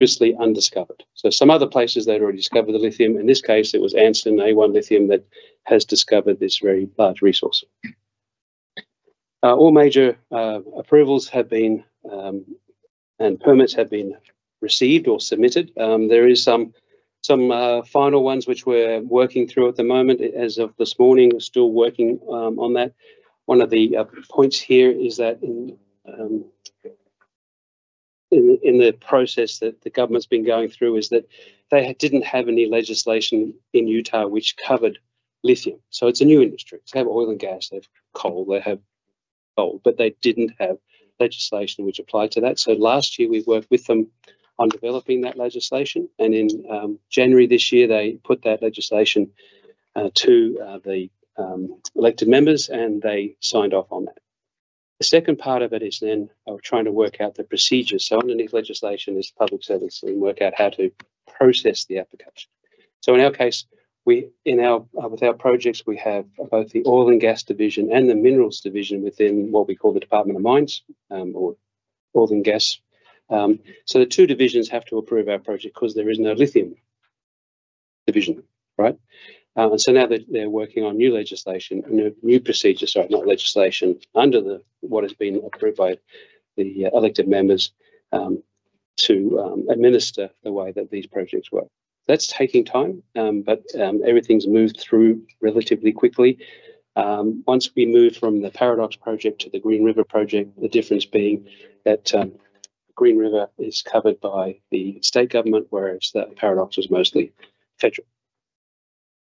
Previously undiscovered. Some other places they'd already discovered the lithium. In this case, it was Anson A1 Lithium that has discovered this very large resource. All major approvals and permits have been received or submitted. There are some final ones which we're working through at the moment. As of this morning, we're still working on that. One of the points here is that in the process that the government's been going through is that they didn't have any legislation in Utah which covered lithium. It's a new industry. They have oil and gas, they have coal, they have gold, but they didn't have legislation which applied to that. Last year, we worked with them on developing that legislation, and in January this year, they put that legislation to the elected members, and they signed off on that. The second part of it is then trying to work out the procedures. Underneath legislation is public service and work out how to process the application. In our case, with our projects, we have both the Oil and Gas Division and the Minerals Division within what we call the Department of Mines or Oil and Gas. The two divisions have to approve our project because there is no lithium division, right? Now they're working on new procedures, not legislation, under what has been approved by the elected members to administer the way that these projects work. That's taking time, but everything's moved through relatively quickly. Once we moved from the Paradox project to the Green River project, the difference being that Green River is covered by the state government, whereas the Paradox was mostly federal.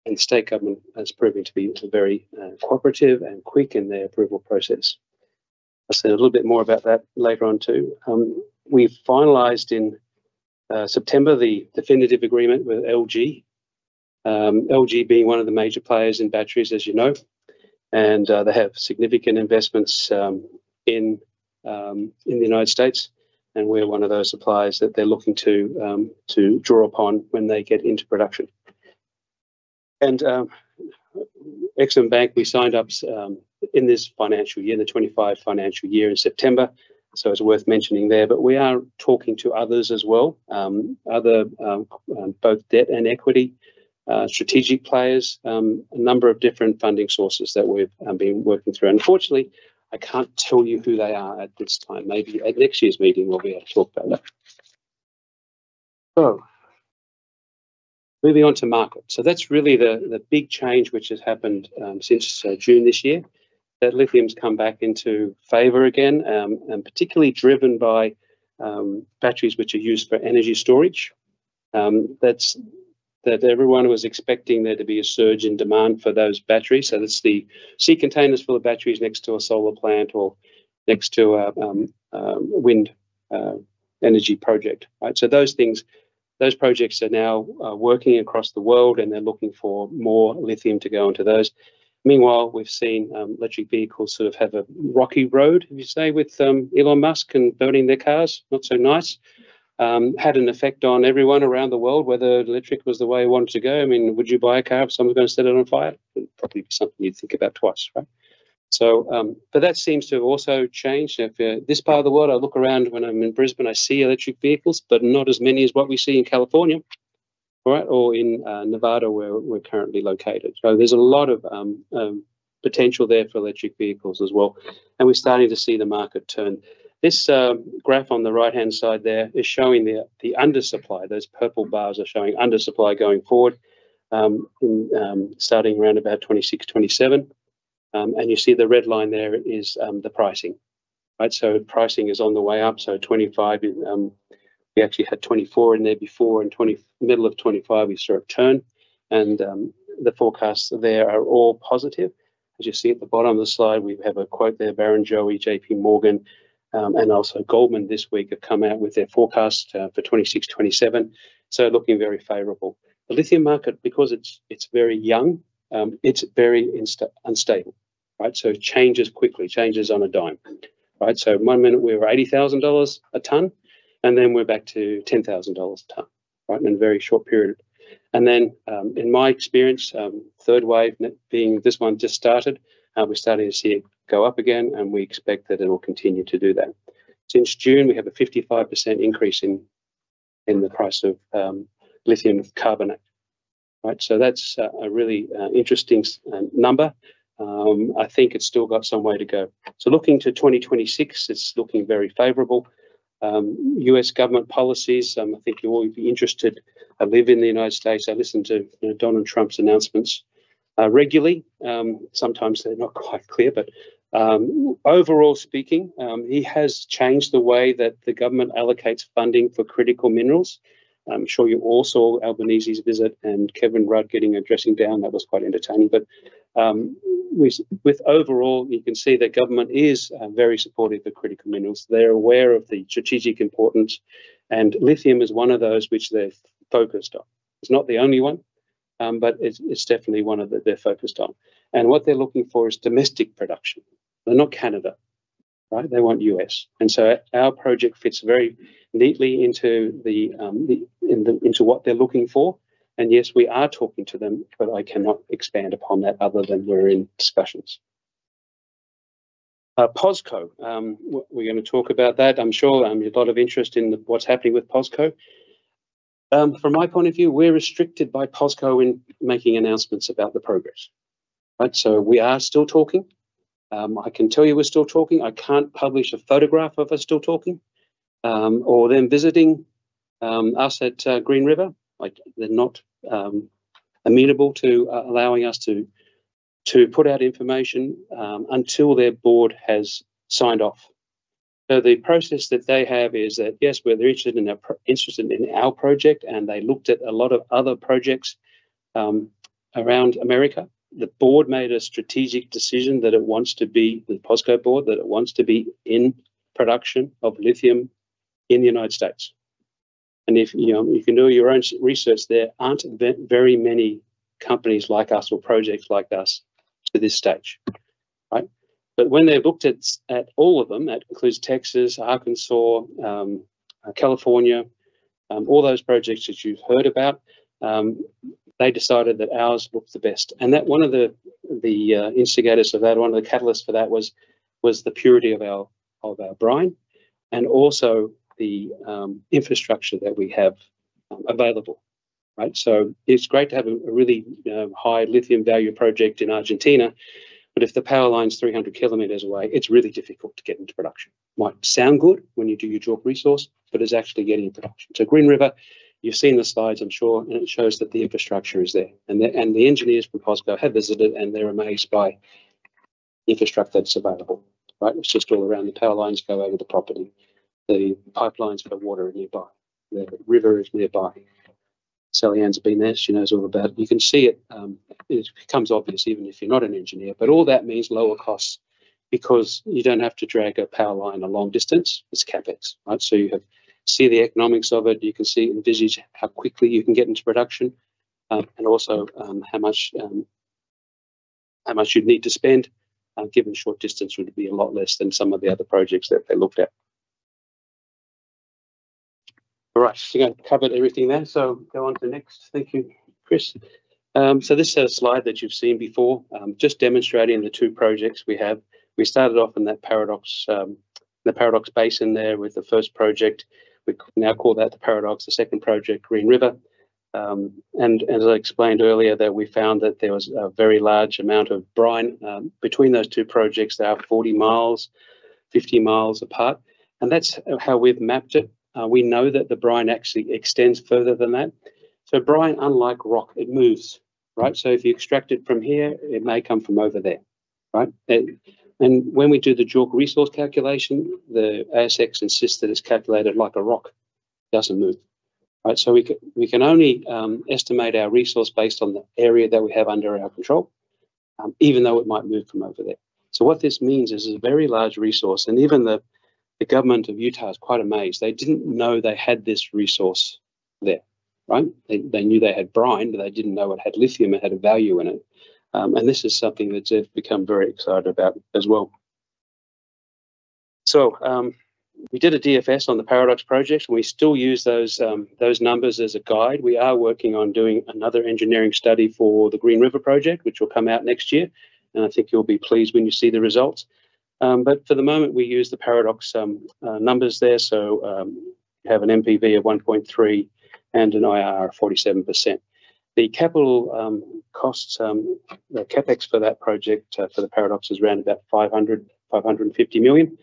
The state government has proven to be very cooperative and quick in their approval process. I'll say a little bit more about that later on too. We finalised in September the definitive agreement with LG, LG being one of the major players in batteries, as you know, and they have significant investments in the United States, and we're one of those suppliers that they're looking to draw upon when they get into production. Exxon Bank, we signed up in this financial year, the 2025 financial year in September, so it's worth mentioning there. We are talking to others as well, both debt and equity strategic players, a number of different funding sources that we've been working through. Unfortunately, I can't tell you who they are at this time. Maybe at next year's meeting, we'll be able to talk about that. Moving on to market. That's really the big change which has happened since June this year, that lithium's come back into favor again, and particularly driven by batteries which are used for energy storage. Everyone was expecting there to be a surge in demand for those batteries. That's the sea containers full of batteries next to a solar plant or next to a wind energy project, right? Those things, those projects are now working across the world, and they're looking for more lithium to go into those. Meanwhile, we've seen electric vehicles sort of have a rocky road, as you say, with Elon Musk and burning their cars, not so nice. Had an effect on everyone around the world, whether electric was the way he wanted to go. I mean, would you buy a car if someone's going to set it on fire? Probably something you'd think about twice, right? That seems to have also changed. This part of the world, I look around when I'm in Brisbane, I see electric vehicles, but not as many as what we see in California, right, or in Nevada where we're currently located. There is a lot of potential there for electric vehicles as well. We're starting to see the market turn. This graph on the right-hand side there is showing the undersupply. Those purple bars are showing undersupply going forward, starting around about 2026, 2027. You see the red line there is the pricing, right? Pricing is on the way up. For 2025, we actually had 2024 in there before, and middle of 2025, we sort of turn. The forecasts there are all positive. As you see at the bottom of the slide, we have a quote there, Barron Joey, J.P. Morgan, and also Goldman this week have come out with their forecast for 2026, 2027. Looking very favourable. The lithium market, because it's very young, it's very unstable, right? It changes quickly, changes on a dime, right? One minute we were $80,000 a tonne, and then we're back to $10,000 a tonne, right, in a very short period. In my experience, third wave being this one just started, we're starting to see it go up again, and we expect that it'll continue to do that. Since June, we have a 55% increase in the price of lithium carbonate, right? That's a really interesting number. I think it's still got some way to go. Looking to 2026, it's looking very favourable. U.S. government policies, I think you'll all be interested. I live in the United States. I listen to Donald Trump's announcements regularly. Sometimes they're not quite clear, but overall speaking, he has changed the way that the government allocates funding for critical minerals. I'm sure you all saw Albanese's visit and Kevin Rudd getting a dressing down. That was quite entertaining. Overall, you can see that government is very supportive of critical minerals. They're aware of the strategic importance, and lithium is one of those which they're focused on. It's not the only one, but it's definitely one that they're focused on. What they're looking for is domestic production. They're not Canada, right? They want U.S. And our project fits very neatly into what they're looking for. Yes, we are talking to them, but I cannot expand upon that other than we're in discussions. POSCO, we're going to talk about that. I'm sure there's a lot of interest in what's happening with POSCO. From my point of view, we're restricted by POSCO in making announcements about the progress, right? We are still talking. I can tell you we're still talking. I can't publish a photograph of us still talking or them visiting us at Green River. They're not amenable to allowing us to put out information until their board has signed off. The process that they have is that, yes, they're interested in our project, and they looked at a lot of other projects around America. The board made a strategic decision that it wants to be with POSCO board, that it wants to be in production of lithium in the United States. If you can do your own research, there are not very many companies like us or projects like us to this stage, right? When they looked at all of them, that includes Texas, Arkansas, California, all those projects that you have heard about, they decided that ours looked the best. One of the instigators of that, one of the catalysts for that was the purity of our brine and also the infrastructure that we have available, right? It is great to have a really high lithium value project in Argentina, but if the power line is 300 km away, it is really difficult to get into production. It might sound good when you do your JORC resource, but it is actually getting into production. Green River, you have seen the slides, I am sure, and it shows that the infrastructure is there. The engineers from POSCO have visited, and they're amazed by the infrastructure that's available, right? It's just all around. The power lines go over the property. The pipelines for water are nearby. The river is nearby. Sally-Anne's been there. She knows all about it. You can see it. It becomes obvious even if you're not an engineer. All that means lower costs because you don't have to drag a power line a long distance. It's CapEx, right? You see the economics of it. You can see and visualize how quickly you can get into production and also how much you'd need to spend. Given short distance, it would be a lot less than some of the other projects that they looked at. I think I've covered everything there. Go on to the next. Thank you, Chris. This is a slide that you've seen before, just demonstrating the two projects we have. We started off in that Paradox Basin there with the first project. We now call that the Paradox. The second project, Green River. As I explained earlier, we found that there was a very large amount of brine between those two projects. They are 40 mi, 50 mi apart. That is how we've mapped it. We know that the brine actually extends further than that. Brine, unlike rock, moves, right? If you extract it from here, it may come from over there, right? When we do the JORC resource calculation, the ASX insists that it is calculated like a rock. It does not move, right? We can only estimate our resource based on the area that we have under our control, even though it might move from over there. What this means is a very large resource. Even the government of Utah is quite amazed. They did not know they had this resource there, right? They knew they had brine, but they did not know it had lithium. It had a value in it. This is something that they have become very excited about as well. We did a DFS on the Paradox project, and we still use those numbers as a guide. We are working on doing another engineering study for the Green River project, which will come out next year. I think you will be pleased when you see the results. For the moment, we use the Paradox numbers there. We have an NPV of $1.3 billion and an IRR of 47%. The capital costs, the CapEx for that project for the Paradox, is around $500 million, $550 million.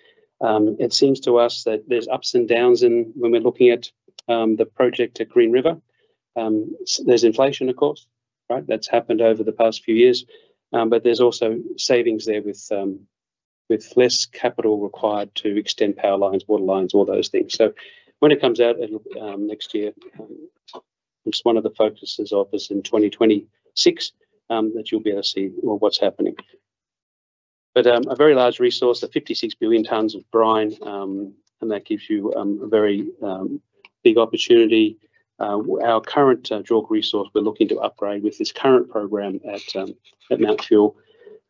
It seems to us that there's ups and downs when we're looking at the project at Green River. There's inflation, of course, right? That's happened over the past few years. There are also savings there with less capital required to extend power lines, water lines, all those things. When it comes out next year, it's one of the focuses of us in 2026 that you'll be able to see what's happening. A very large resource, the 56 billion tonnes of brine, and that gives you a very big opportunity. Our current JORC resource, we're looking to upgrade with this current program at Mount Fuel,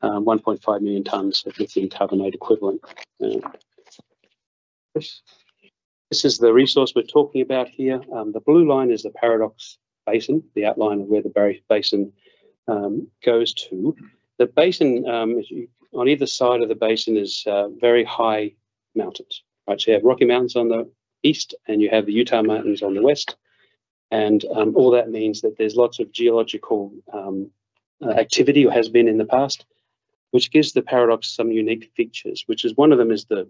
1.5 million tonnes of lithium carbonate equivalent. This is the resource we're talking about here. The blue line is the Paradox Basin, the outline of where the basin goes to. The basin on either side of the basin is very high mountains, right? You have Rocky Mountains on the east, and you have the Utah Mountains on the west. All that means that there's lots of geological activity or has been in the past, which gives the Paradox some unique features, which is one of them is the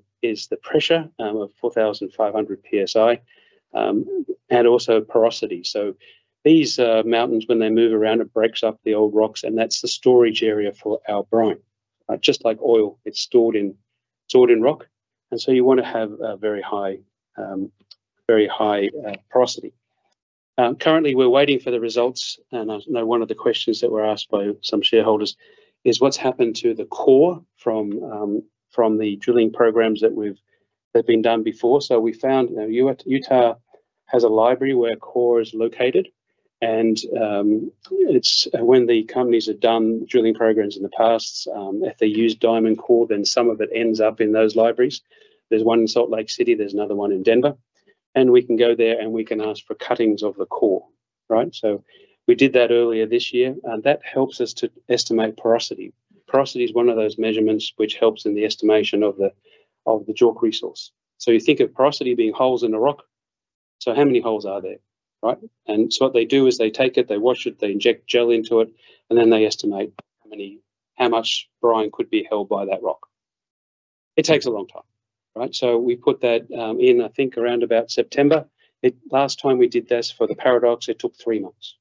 pressure of 4,500 PSI and also porosity. These mountains, when they move around, it breaks up the old rocks, and that's the storage area for our brine. Just like oil, it's stored in rock. You want to have a very high porosity. Currently, we're waiting for the results. I know one of the questions that were asked by some shareholders is what's happened to the core from the drilling programmes that have been done before. We found Utah has a library where core is located. When the companies have done drilling programs in the past, if they use diamond core, then some of it ends up in those libraries. There is one in Salt Lake City. There is another one in Denver. We can go there and we can ask for cuttings of the core, right? We did that earlier this year. That helps us to estimate porosity. Porosity is one of those measurements which helps in the estimation of the JORC resource. You think of porosity being holes in a rock. How many holes are there, right? What they do is they take it, they wash it, they inject gel into it, and then they estimate how much brine could be held by that rock. It takes a long time, right? We put that in, I think, around about September. Last time we did this for the Paradox, it took three months,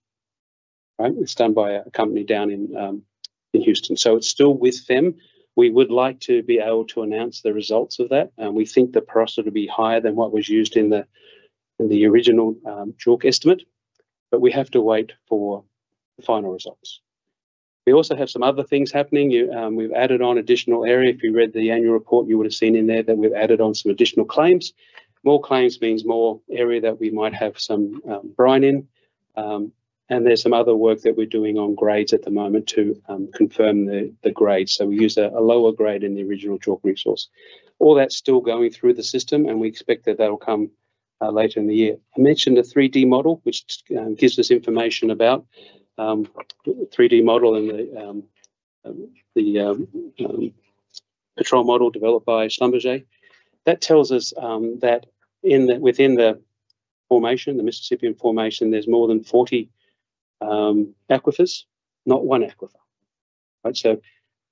right? It's done by a company down in Houston. It's still with them. We would like to be able to announce the results of that. We think the porosity will be higher than what was used in the original job estimate, but we have to wait for the final results. We also have some other things happening. We've added on additional area. If you read the annual report, you would have seen in there that we've added on some additional claims. More claims means more area that we might have some brine in. There is some other work that we're doing on grades at the moment to confirm the grade. We used a lower grade in the original job resource. All that's still going through the system, and we expect that that'll come later in the year. I mentioned a 3D model, which gives us information about the 3D model and the Petrel model developed by Schlumberger. That tells us that within the formation, the Mississippian formation, there's more than 40 aquifers, not one aquifer, right?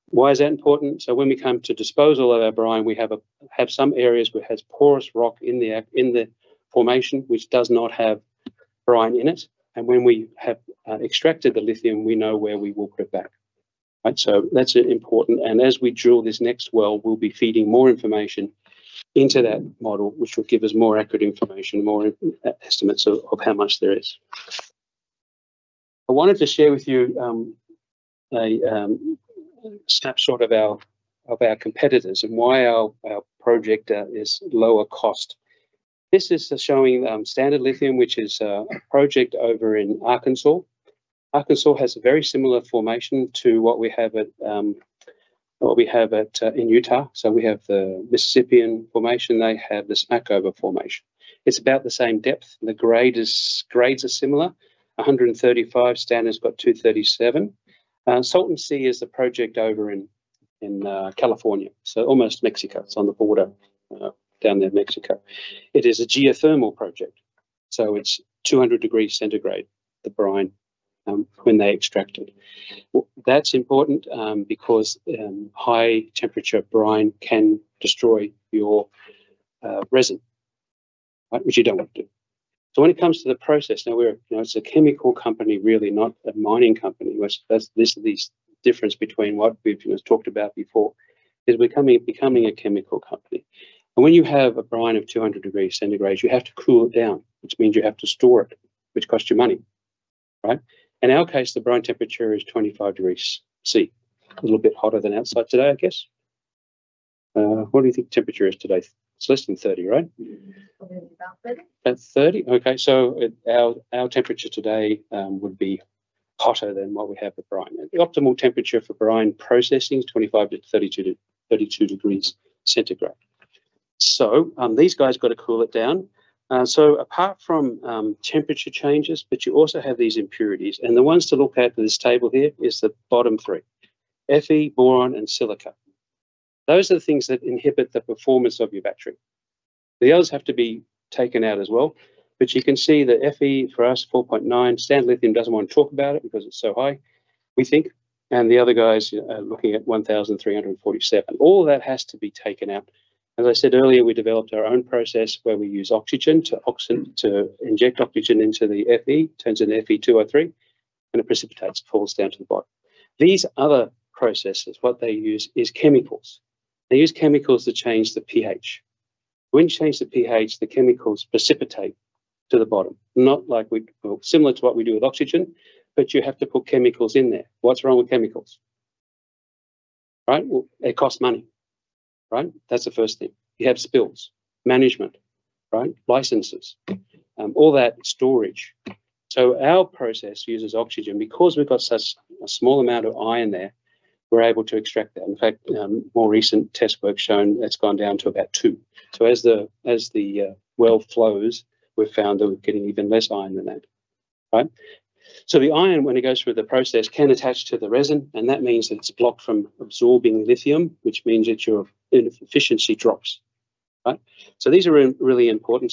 Why is that important? When we come to dispose all of our brine, we have some areas where it has porous rock in the formation, which does not have brine in it. When we have extracted the lithium, we know where we will put it back, right? That's important. As we drill this next well, we'll be feeding more information into that model, which will give us more accurate information, more estimates of how much there is. I wanted to share with you a snapshot of our competitors and why our project is lower cost. This is showing Standard Lithium, which is a project over in Arkansas. Arkansas has a very similar formation to what we have in Utah. We have the Mississippian formation. They have the Smackover formation. It is about the same depth. The grades are similar. 135, Standard has got 237. Salton Sea is the project over in California. Almost Mexico. It is on the border down there in Mexico. It is a geothermal project. It is 200°C, the brine, when they extract it. That is important because high temperature brine can destroy your resin, which you do not want to do. When it comes to the process, now we are a chemical company, really, not a mining company. This is the difference between what we've talked about before is becoming a chemical company. And when you have a brine of 200°C, you have to cool it down, which means you have to store it, which costs you money, right? In our case, the brine temperature is 25°C, a little bit hotter than outside today, I guess. What do you think the temperature is today? It's less than 30, right? About 30. About 30? Okay. So our temperature today would be hotter than what we have with brine. The optimal temperature for brine processing is 25-32°C. These guys got to cool it down. Apart from temperature changes, you also have these impurities. The ones to look at in this table here are the bottom three: Fe, Boron, and Silica. Those are the things that inhibit the performance of your battery. The others have to be taken out as well. You can see the Fe for us, 4.9. Standard Lithium does not want to talk about it because it is so high, we think. The other guys are looking at 1,347. All of that has to be taken out. As I said earlier, we developed our own process where we use oxygen to inject oxygen into the Fe, turns into Fe2O3, and it precipitates, falls down to the bottom. These other processes, what they use is chemicals. They use chemicals to change the pH. When you change the pH, the chemicals precipitate to the bottom, similar to what we do with oxygen, but you have to put chemicals in there. What is wrong with chemicals? It costs money, right? That is the first thing. You have spills, management, right? Licenses, all that storage. Our process uses oxygen. Because we've got such a small amount of iron there, we're able to extract that. In fact, more recent test work has shown it's gone down to about two. As the well flows, we've found that we're getting even less iron than that, right? The iron, when it goes through the process, can attach to the resin, and that means that it's blocked from absorbing lithium, which means that your efficiency drops, right? These are really important.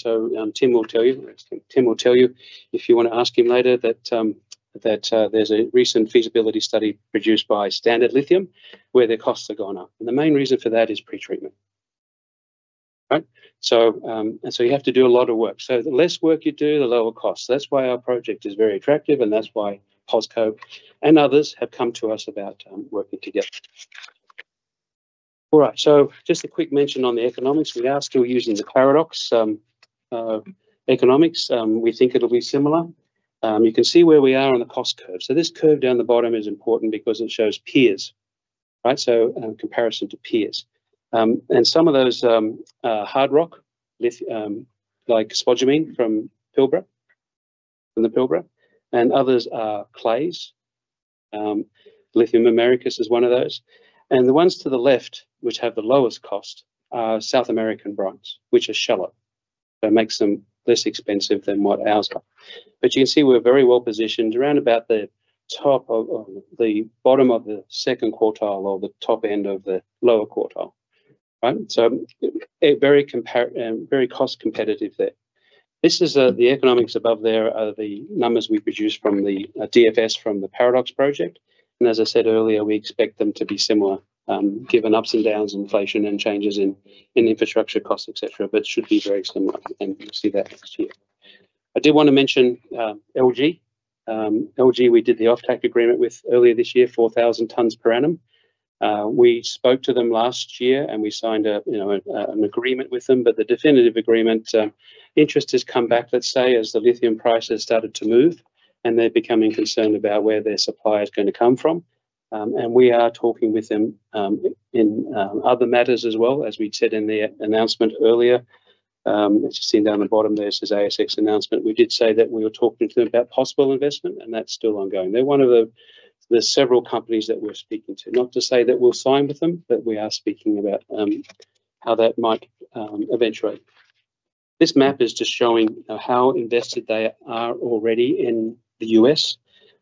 Tim will tell you, Tim will tell you if you want to ask him later that there's a recent feasibility study produced by Standard Lithium where the costs have gone up. The main reason for that is pretreatment, right? You have to do a lot of work. The less work you do, the lower costs. That's why our project is very attractive, and that's why POSCO and others have come to us about working together. All right. Just a quick mention on the economics. We are still using the Paradox economics. We think it'll be similar. You can see where we are on the cost curve. This curve down the bottom is important because it shows peers, right? Comparison to peers. Some of those are hard rock, like spodumene from the Pilbara, and others are clays. Lithium Americas is one of those. The ones to the left, which have the lowest cost, are South American brines, which are shallow. That makes them less expensive than what ours are. You can see we're very well positioned around about the bottom of the second quartile or the top end of the lower quartile, right? Very cost competitive there. The economics above there are the numbers we produce from the DFS from the Paradox project. As I said earlier, we expect them to be similar, given ups and downs, inflation, and changes in infrastructure costs, etc. It should be very similar, and you'll see that next year. I did want to mention LG. LG, we did the off-take agreement with earlier this year, 4,000 tonnes per annum. We spoke to them last year, and we signed an agreement with them. The definitive agreement, interest has come back, let's say, as the lithium prices started to move, and they're becoming concerned about where their supply is going to come from. We are talking with them in other matters as well. As we said in the announcement earlier, as you see down the bottom, there's this ASX announcement. We did say that we were talking to them about possible investment, and that's still ongoing. They're one of the several companies that we're speaking to, not to say that we'll sign with them, but we are speaking about how that might eventually. This map is just showing how invested they are already in the U.S.,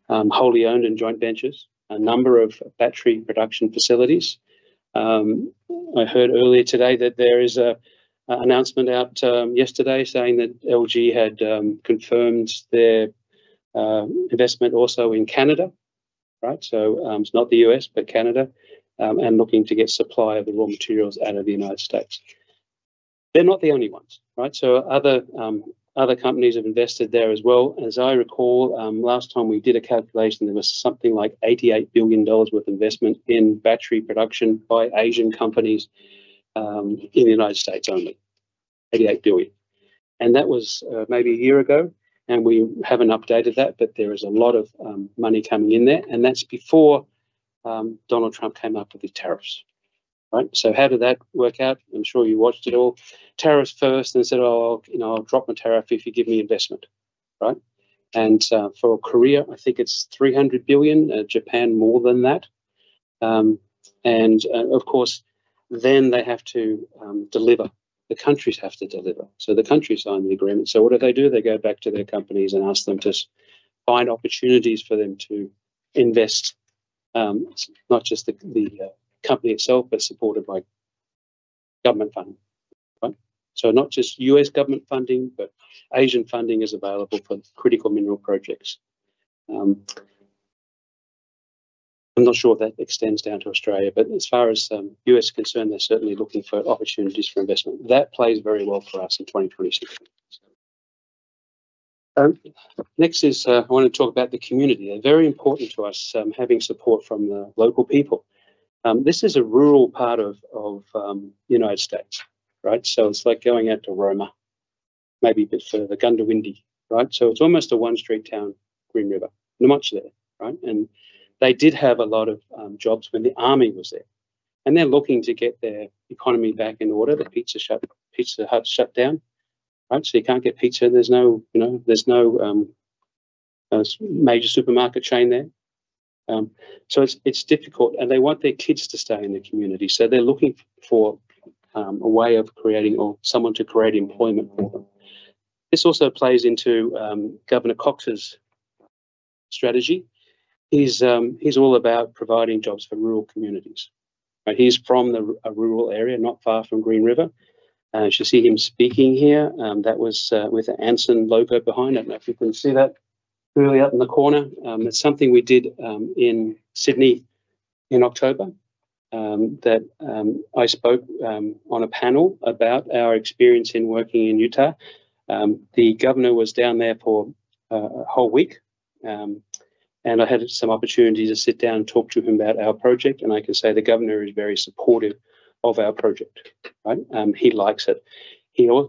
wholly owned and joint ventures, a number of battery production facilities. I heard earlier today that there is an announcement out yesterday saying that LG had confirmed their investment also in Canada, right? It is not the U.S., but Canada, and looking to get supply of the raw materials out of the United States. They're not the only ones, right? Other companies have invested there as well. As I recall, last time we did a calculation, there was something like $88 billion worth of investment in battery production by Asian companies in the United States only, $88 billion. That was maybe a year ago, and we have not updated that, but there is a lot of money coming in there. That is before Donald Trump came up with the tariffs, right? How did that work out? I am sure you watched it all. Tariffs first, and they said, "Oh, I will drop my tariff if you give me investment," right? For Korea, I think it is $300 billion, Japan more than that. Of course, they have to deliver. The countries have to deliver. The countries sign the agreement. What do they do? They go back to their companies and ask them to find opportunities for them to invest, not just the company itself, but supported by government funding, right? Not just U.S. government funding, but Asian funding is available for critical mineral projects. I'm not sure if that extends down to Australia, but as far as U.S. is concerned, they're certainly looking for opportunities for investment. That plays very well for us in 2026. Next, I want to talk about the community. They're very important to us, having support from the local people. This is a rural part of the United States, right? It's like going out to Roma, maybe a bit further, Gundawindy, right? It's almost a one-street town, Green River, not much there, right? They did have a lot of jobs when the army was there. They're looking to get their economy back in order. The Pizza Hut shut down, right? You can't get pizza. There's no major supermarket chain there. It's difficult. They want their kids to stay in the community. They are looking for a way of creating or someone to create employment for them. This also plays into Governor Cox's strategy. He's all about providing jobs for rural communities, right? He's from a rural area, not far from Green River. You should see him speaking here. That was with Anson Loper behind. I don't know if you can see that clearly up in the corner. It's something we did in Sydney in October that I spoke on a panel about our experience in working in Utah. The governor was down there for a whole week, and I had some opportunity to sit down and talk to him about our project. I can say the governor is very supportive of our project, right? He likes it.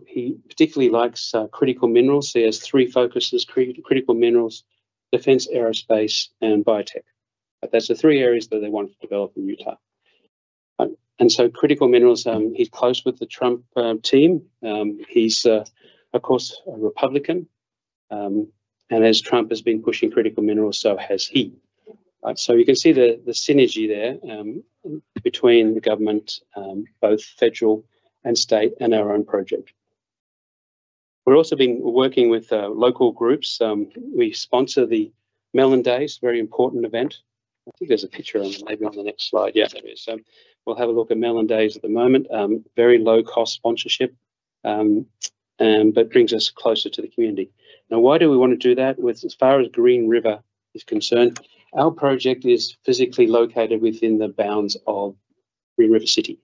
He particularly likes critical minerals. He has three focuses: critical minerals, defense, aerospace, and biotech. That is the three areas that they want to develop in Utah. Critical minerals, he is close with the Trump team. He is, of course, a Republican. As Trump has been pushing critical minerals, so has he, right? You can see the synergy there between the government, both federal and state, and our own project. We are also working with local groups. We sponsor the Melon Days, very important event. I think there is a picture on the next slide. Yeah, there is. We will have a look at Melon Days at the moment. Very low-cost sponsorship, but brings us closer to the community. Now, why do we want to do that? As far as Green River is concerned, our project is physically located within the bounds of Green River City,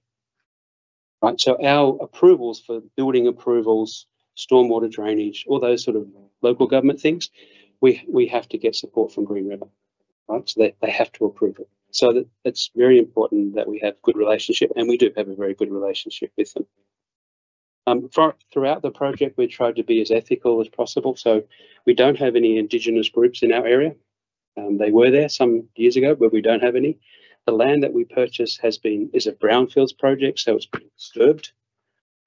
right? Our approvals for building approvals, stormwater drainage, all those sort of local government things, we have to get support from Green River, right? They have to approve it. It is very important that we have a good relationship, and we do have a very good relationship with them. Throughout the project, we've tried to be as ethical as possible. We do not have any indigenous groups in our area. They were there some years ago, but we do not have any. The land that we purchased has been a brownfields project, so it has been disturbed,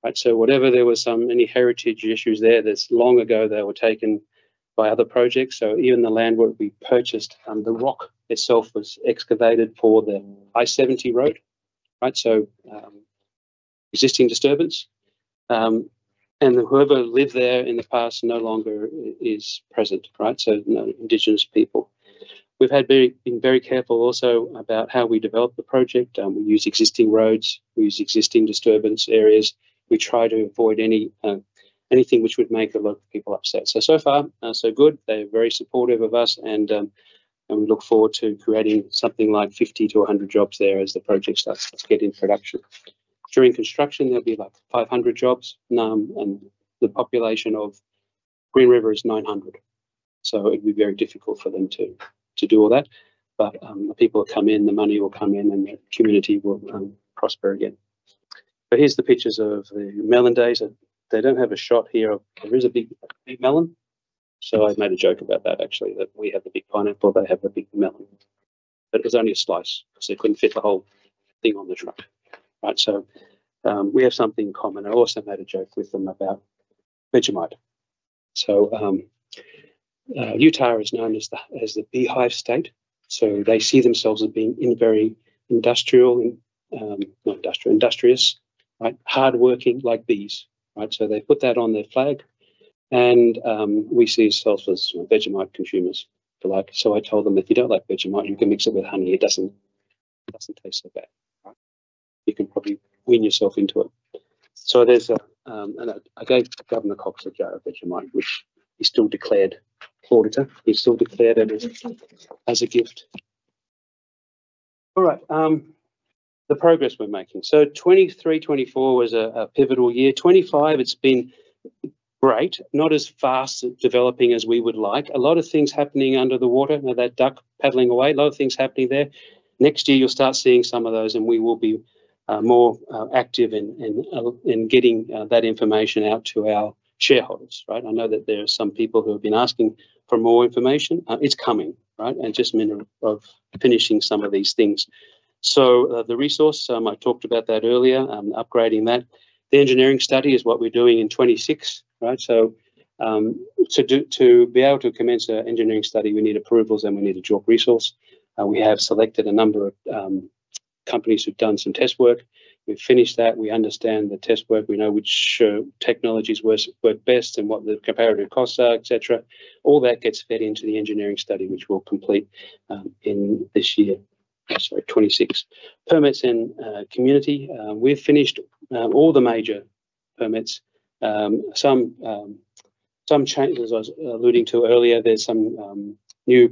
right? Whatever there was, any heritage issues there, that is long ago, they were taken by other projects. Even the land where we purchased, the rock itself was excavated for the I-70 road, right? Existing disturbance. Whoever lived there in the past no longer is present, right? Indigenous people. We've been very careful also about how we develop the project. We use existing roads. We use existing disturbance areas. We try to avoid anything which would make the local people upset. So far, so good. They're very supportive of us, and we look forward to creating something like 50 jobs-100 jobs there as the project starts to get in production. During construction, there will be like 500 jobs, and the population of Green River is 900. It would be very difficult for them to do all that. The people will come in, the money will come in, and the community will prosper again. Here's the pictures of the Melon Days. They don't have a shot here. There is a big melon. I made a joke about that, actually, that we have the big pineapple, they have the big melon. It was only a slice, so it couldn't fit the whole thing on the truck, right? We have something in common. I also made a joke with them about Vegemite. Utah is known as the beehive state. They see themselves as being very industrial, not industrial, industrious, right? Hardworking like bees, right? They put that on their flag, and we see ourselves as Vegemite consumers. I told them, "If you don't like Vegemite, you can mix it with honey. It doesn't taste so bad. You can probably win yourself into it." I gave Governor Cox a jar of Vegemite, which he still declared later. He still declared it as a gift. All right. The progress we're making. 2023, 2024 was a pivotal year. 2025, it's been great. Not as fast developing as we would like. A lot of things happening under the water. Now, that duck paddling away, a lot of things happening there. Next year, you'll start seeing some of those, and we will be more active in getting that information out to our shareholders, right? I know that there are some people who have been asking for more information. It's coming, right? And just a minute of finishing some of these things. So the resource, I talked about that earlier, upgrading that. The engineering study is what we're doing in twenty twenty-six, right? To be able to commence an engineering study, we need approvals, and we need a joint resource. We have selected a number of companies who've done some test work. We've finished that. We understand the test work. We know which technologies work best and what the comparative costs are, etc. All that gets fed into the engineering study, which we'll complete in this year. Sorry, 2026. Permits and community. We've finished all the major permits. Some changes I was alluding to earlier. There's some new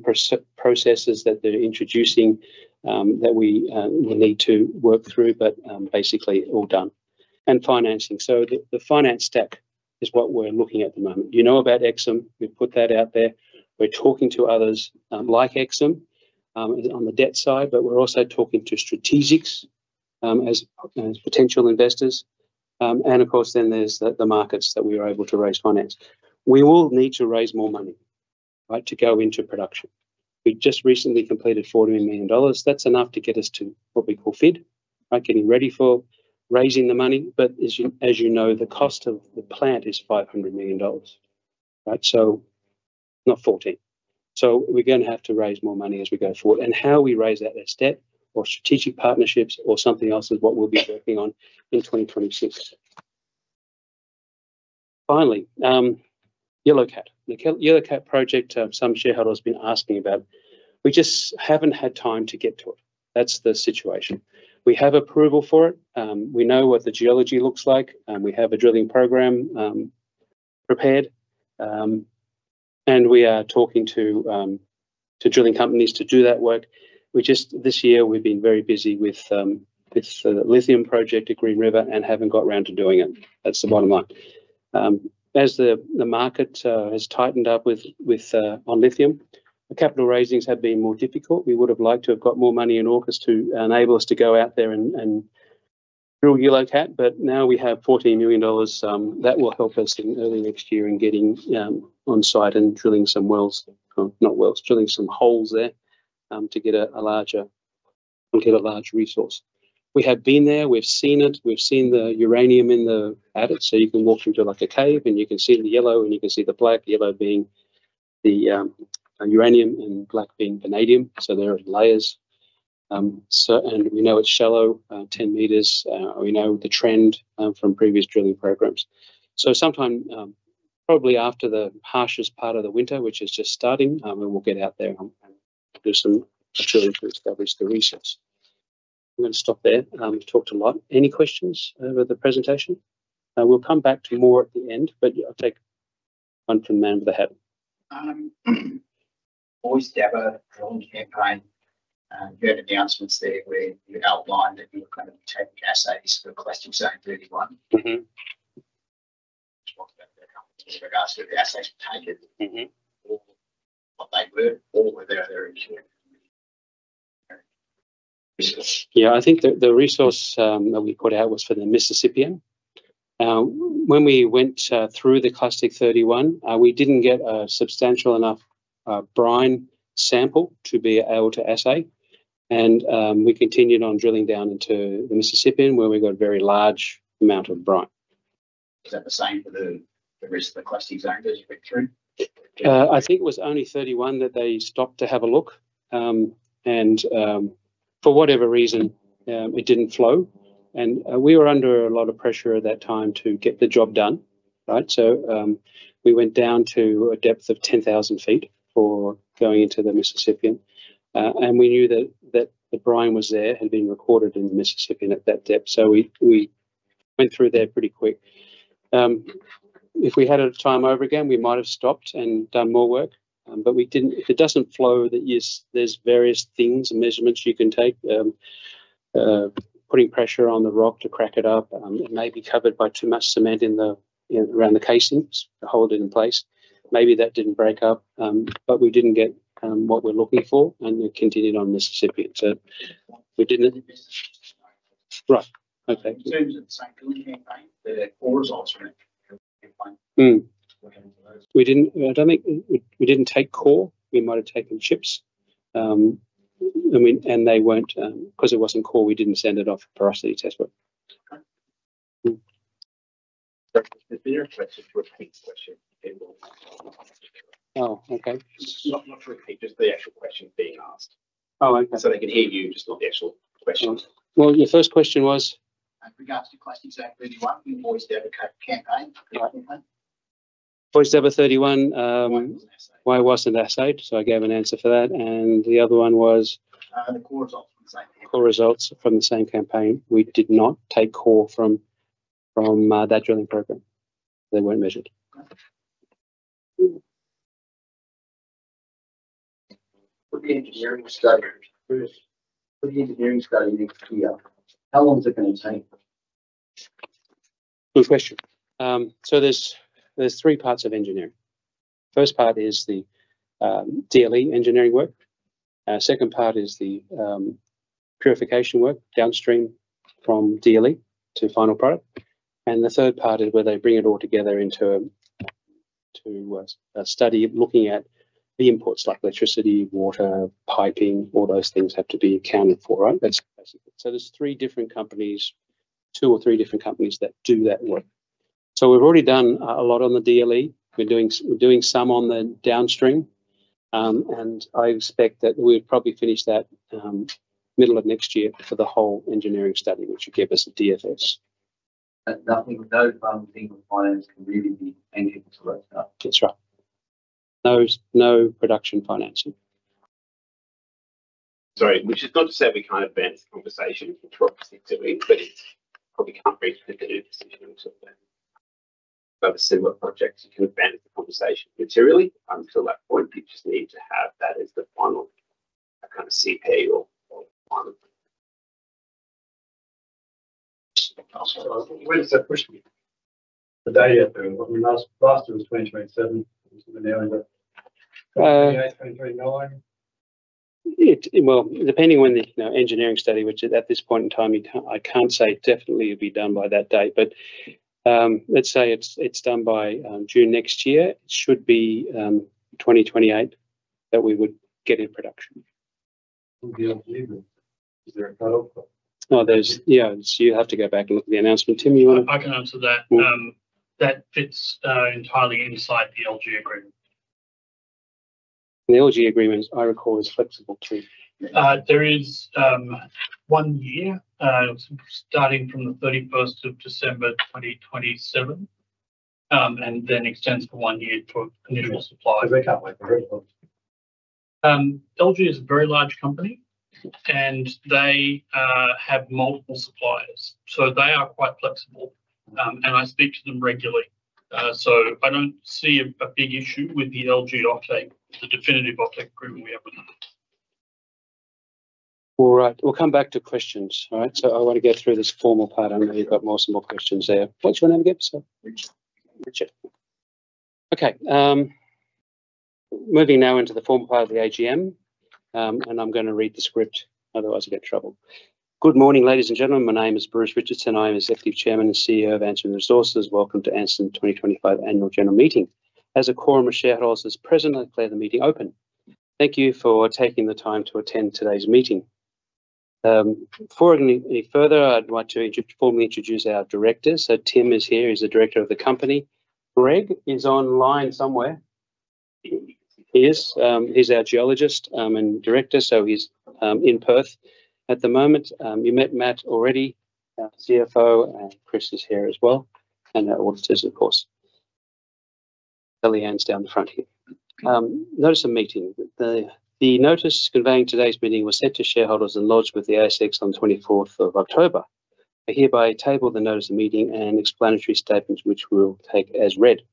processes that they're introducing that we need to work through, but basically all done. Financing. The finance stack is what we're looking at at the moment. You know about Exxon. We've put that out there. We're talking to others like Exxon on the debt side, but we're also talking to strategics as potential investors. Of course, then there's the markets that we are able to raise finance. We will need to raise more money, right, to go into production. We just recently completed $40 million. That's enough to get us to what we call FID, right? Getting ready for raising the money. As you know, the cost of the plant is $500 million, right? Not $14 million. We are going to have to raise more money as we go forward. How we raise that, whether that's debt or strategic partnerships or something else, is what we will be working on in 2026. Finally, Yellow Cat. The Yellow Cat project, some shareholders have been asking about. We just have not had time to get to it. That is the situation. We have approval for it. We know what the geology looks like. We have a drilling program prepared, and we are talking to drilling companies to do that work. This year, we have been very busy with the lithium project at Green River and have not got around to doing it. That is the bottom line. As the market has tightened up on lithium, capital raisings have been more difficult. We would have liked to have got more money in August to enable us to go out there and drill Yellow Cat. Now we have $14 million. That will help us in early next year in getting on site and drilling some holes there to get a larger resource. We have been there. We've seen it. We've seen the uranium in it. You can walk into a cave, and you can see the yellow, and you can see the black, yellow being the uranium and black being vanadium. There are layers. We know it's shallow, 10 m. We know the trend from previous drilling programs. Sometime probably after the harshest part of the winter, which is just starting, we will get out there and do some drilling to establish the resource. I'm going to stop there. I've talked a lot. Any questions with the presentation? We'll come back to more at the end, but I'll take one from man with a hat. Always dapper, drawn to airplane. You had announcements there where you outlined that you were going to be taking assays for Class 231. Just wanted to know in regards to the assays you've taken, what they were or whether they're in. Yeah, I think the resource that we put out was for the Mississippian. When we went through the Class 231, we didn't get a substantial enough brine sample to be able to assay. We continued on drilling down into the Mississippian where we got a very large amount of brine. Is that the same for the rest of the Class 31 that you went through? I think it was only 31 that they stopped to have a look. For whatever reason, it did not flow. We were under a lot of pressure at that time to get the job done, right? We went down to a depth of 10,000 ft for going into the Mississippian. We knew that the brine was there and had been recorded in the Mississippian at that depth. We went through there pretty quick. If we had a time over again, we might have stopped and done more work. It does not flow. There are various things and measurements you can take. Putting pressure on the rock to crack it up. It may be covered by too much cement around the casings to hold it in place. Maybe that did not break up, but we did not get what we are looking for. We continued on Mississippian. We did not. Right. Okay. In terms of the same drilling campaign, the cores also went into the campaign. We did not take core. We might have taken chips. Because it was not core, we did not send it off for porosity test work. Okay. Not to repeat, just the actual question being asked. Okay. They can hear you, just not the actual question. Your first question was? In regards to Class 231, we always dabber campaign. Class 231. Why was it not assayed? Why was it not assayed? I gave an answer for that. The other one was? The core results from the same campaign. Core results from the same campaign. We did not take core from that drilling program. They were not measured. For the engineering study, for the engineering study next year, how long is it going to take? Good question. There are three parts of engineering. First part is the DLE engineering work. Second part is the purification work downstream from DLE to final product. The third part is where they bring it all together into a study looking at the inputs like electricity, water, piping, all those things have to be accounted for, right? There are three different companies, two or three different companies that do that work. We have already done a lot on the DLE. We are doing some on the downstream. I expect that we will probably finish that middle of next year for the whole engineering study, which will give us a DFS. No funding or finance can really be anchored to that stuff. That is right. No production financing. Sorry. Which is not to say we cannot advance the conversation, which we are obviously doing, but it probably cannot be a decision until then. For similar projects, you can advance the conversation materially. Until that point, you just need to have that as the final kind of CP or final. Where does that push me? The data last year was 2027. We're now in 2028, 2029. Depending on the engineering study, which at this point in time, I can't say definitely it'll be done by that date. Let's say it's done by June next year. It should be 2028 that we would get in production. Is there a cut-off? Yeah. You have to go back and look at the announcement. Tim, you want to? I can answer that. That fits entirely inside the LG agreement. The LG agreement, I recall, is flexible too. There is one year starting from the 31st of December 2027 and then extends for one year for initial supply. Because they can't wait for the drilling? LG is a very large company, and they have multiple suppliers. They are quite flexible. I speak to them regularly. I do not see a big issue with the LG Optic, the definitive Optic agreement we have with them. All right. We will come back to questions, all right? I want to get through this formal part. I know you have more small questions there. What is your name again? Richard. Richard. Okay. Moving now into the formal part of the AGM, and I am going to read the script. Otherwise, you will get trouble. Good morning, ladies and gentlemen. My name is Bruce Richardson. I am Executive Chairman and CEO of Anson Resources. Welcome to Anson 2025 Annual General Meeting. As a quorum of shareholders is present, I declare the meeting open. Thank you for taking the time to attend today's meeting. Before any further, I'd like to formally introduce our Director. Tim is here. He's the Director of the company. Greg is online somewhere. He's our Geologist and Director, so he's in Perth at the moment. You met Matt already, CFO, and Chris is here as well. Our auditors, of course. Sally-Anne's down the front here. Notice of meeting. The notice conveying today's meeting was sent to shareholders and lodged with the ASX on the 24th of October. I hereby table the notice of meeting and explanatory statements, which we will take as read.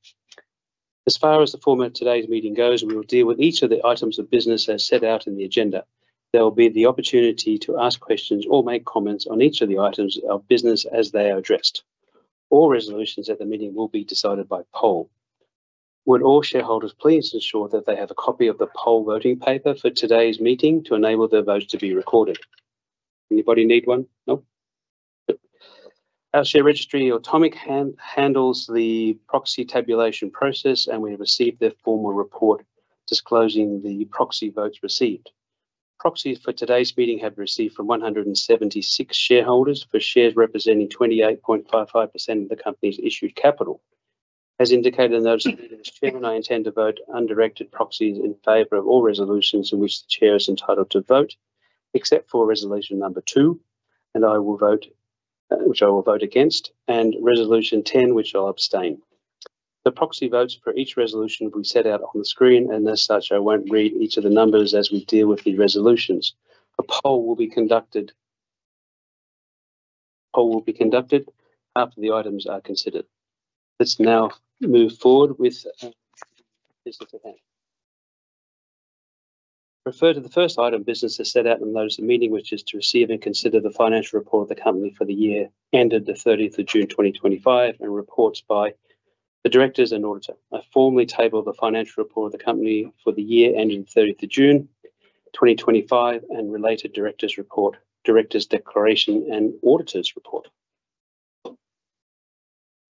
As far as the form of today's meeting goes, we will deal with each of the items of business as set out in the agenda. There will be the opportunity to ask questions or make comments on each of the items of business as they are addressed. All resolutions at the meeting will be decided by poll. Would all shareholders please ensure that they have a copy of the poll voting paper for today's meeting to enable their votes to be recorded? Anybody need one? No? Our share registry, Atomic, handles the proxy tabulation process, and we have received their formal report disclosing the proxy votes received. Proxies for today's meeting have been received from 176 shareholders for shares representing 28.55% of the company's issued capital. As indicated in the notice of meeting this Chairman, I intend to vote undirected proxies in favor of all resolutions in which the Chair is entitled to vote, except for resolution number two, which I will vote against, and resolution 10, which I'll abstain. The proxy votes for each resolution will be set out on the screen, and as such, I won't read each of the numbers as we deal with the resolutions. A poll will be conducted after the items are considered. Let's now move forward with business at hand. Refer to the first item business is set out in the notice of meeting, which is to receive and consider the financial report of the company for the year ended the 30th of June 2025 and reports by the directors and auditor. I formally table the financial report of the company for the year ended the 30th of June 2025 and related directors' report, directors' declaration, and auditor's report.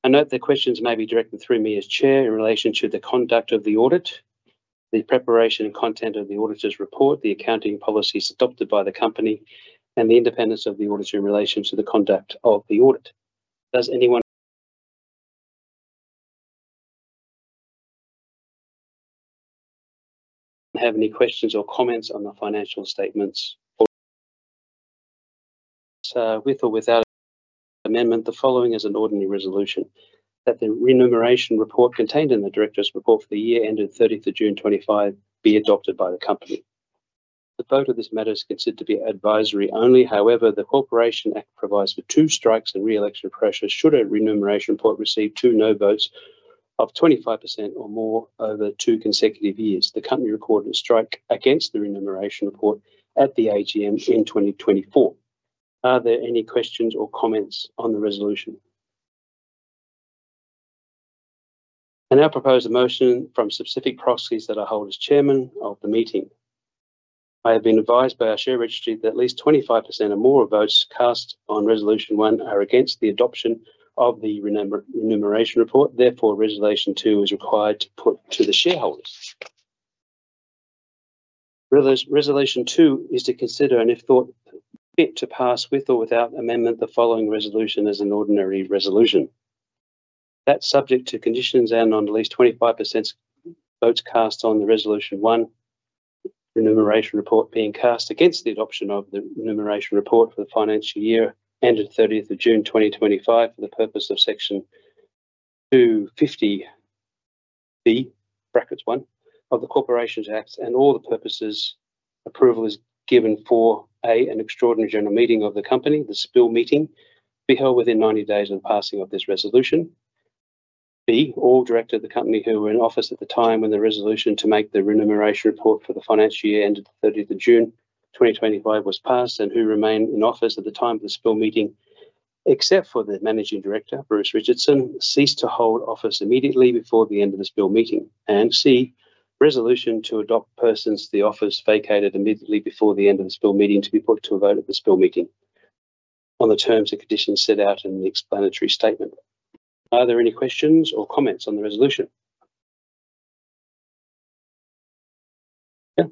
I note the questions may be directed through me as Chair in relation to the conduct of the audit, the preparation and content of the auditor's report, the accounting policies adopted by the company, and the independence of the auditor in relation to the conduct of the audit. Does anyone have any questions or comments on the financial statements? With or without amendment, the following is an ordinary resolution: that the remuneration report contained in the director's report for the year ended the 30th of June 2025 be adopted by the company. The vote of this matter is considered to be advisory only. However, the Corporations Act provides for two strikes and re-election pressure should a remuneration report receive two no votes of 25% or more over two consecutive years. The company recorded a strike against the remuneration report at the AGM in 2024. Are there any questions or comments on the resolution? I now propose a motion from specific proxies that I hold as Chairman of the meeting. I have been advised by our share registry that at least 25% or more of votes cast on resolution one are against the adoption of the remuneration report. Therefore, resolution two is required to put to the shareholders. Resolution two is to consider and if thought fit to pass with or without amendment the following resolution as an ordinary resolution. That's subject to conditions and on at least 25% votes cast on the resolution one remuneration report being cast against the adoption of the remuneration report for the financial year ended 30th of June 2025 for the purpose of section 250B(1) of the Corporations Act and all the purposes approval is given for: A, an extraordinary general meeting of the company, the spill meeting, to be held within 90 days of the passing of this resolution; B, all directors of the company who were in office at the time when the resolution to make the remuneration report for the financial year ended the 30th of June 2025 was passed and who remain in office at the time of the spill meeting, except for the Managing Director, Bruce Richardson, cease to hold office immediately before the end of the spill meeting; and C, resolution to adopt persons the office vacated immediately before the end of the spill meeting to be put to a vote at the spill meeting on the terms and conditions set out in the explanatory statement. Are there any questions or comments on the resolution? Yeah?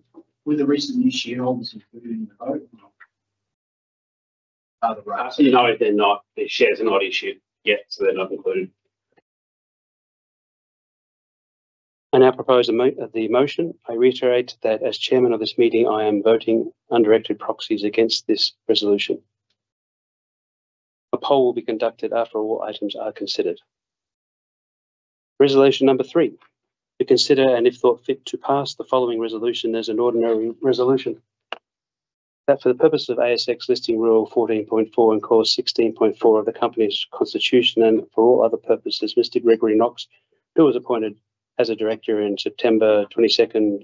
Were the recent issued holders included in the vote? No, they're not. The shares are not issued yet, so they're not included. I now propose the motion. I reiterate that as Chairman of this meeting, I am voting undirected proxies against this resolution. A poll will be conducted after all items are considered. Resolution number three, to consider and if thought fit to pass the following resolution as an ordinary resolution. That for the purpose of ASX Listing Rule 14.4 and Clause 16.4 of the company's constitution and for all other purposes, Mr. Gregory Knox, who was appointed as a Director on September 22,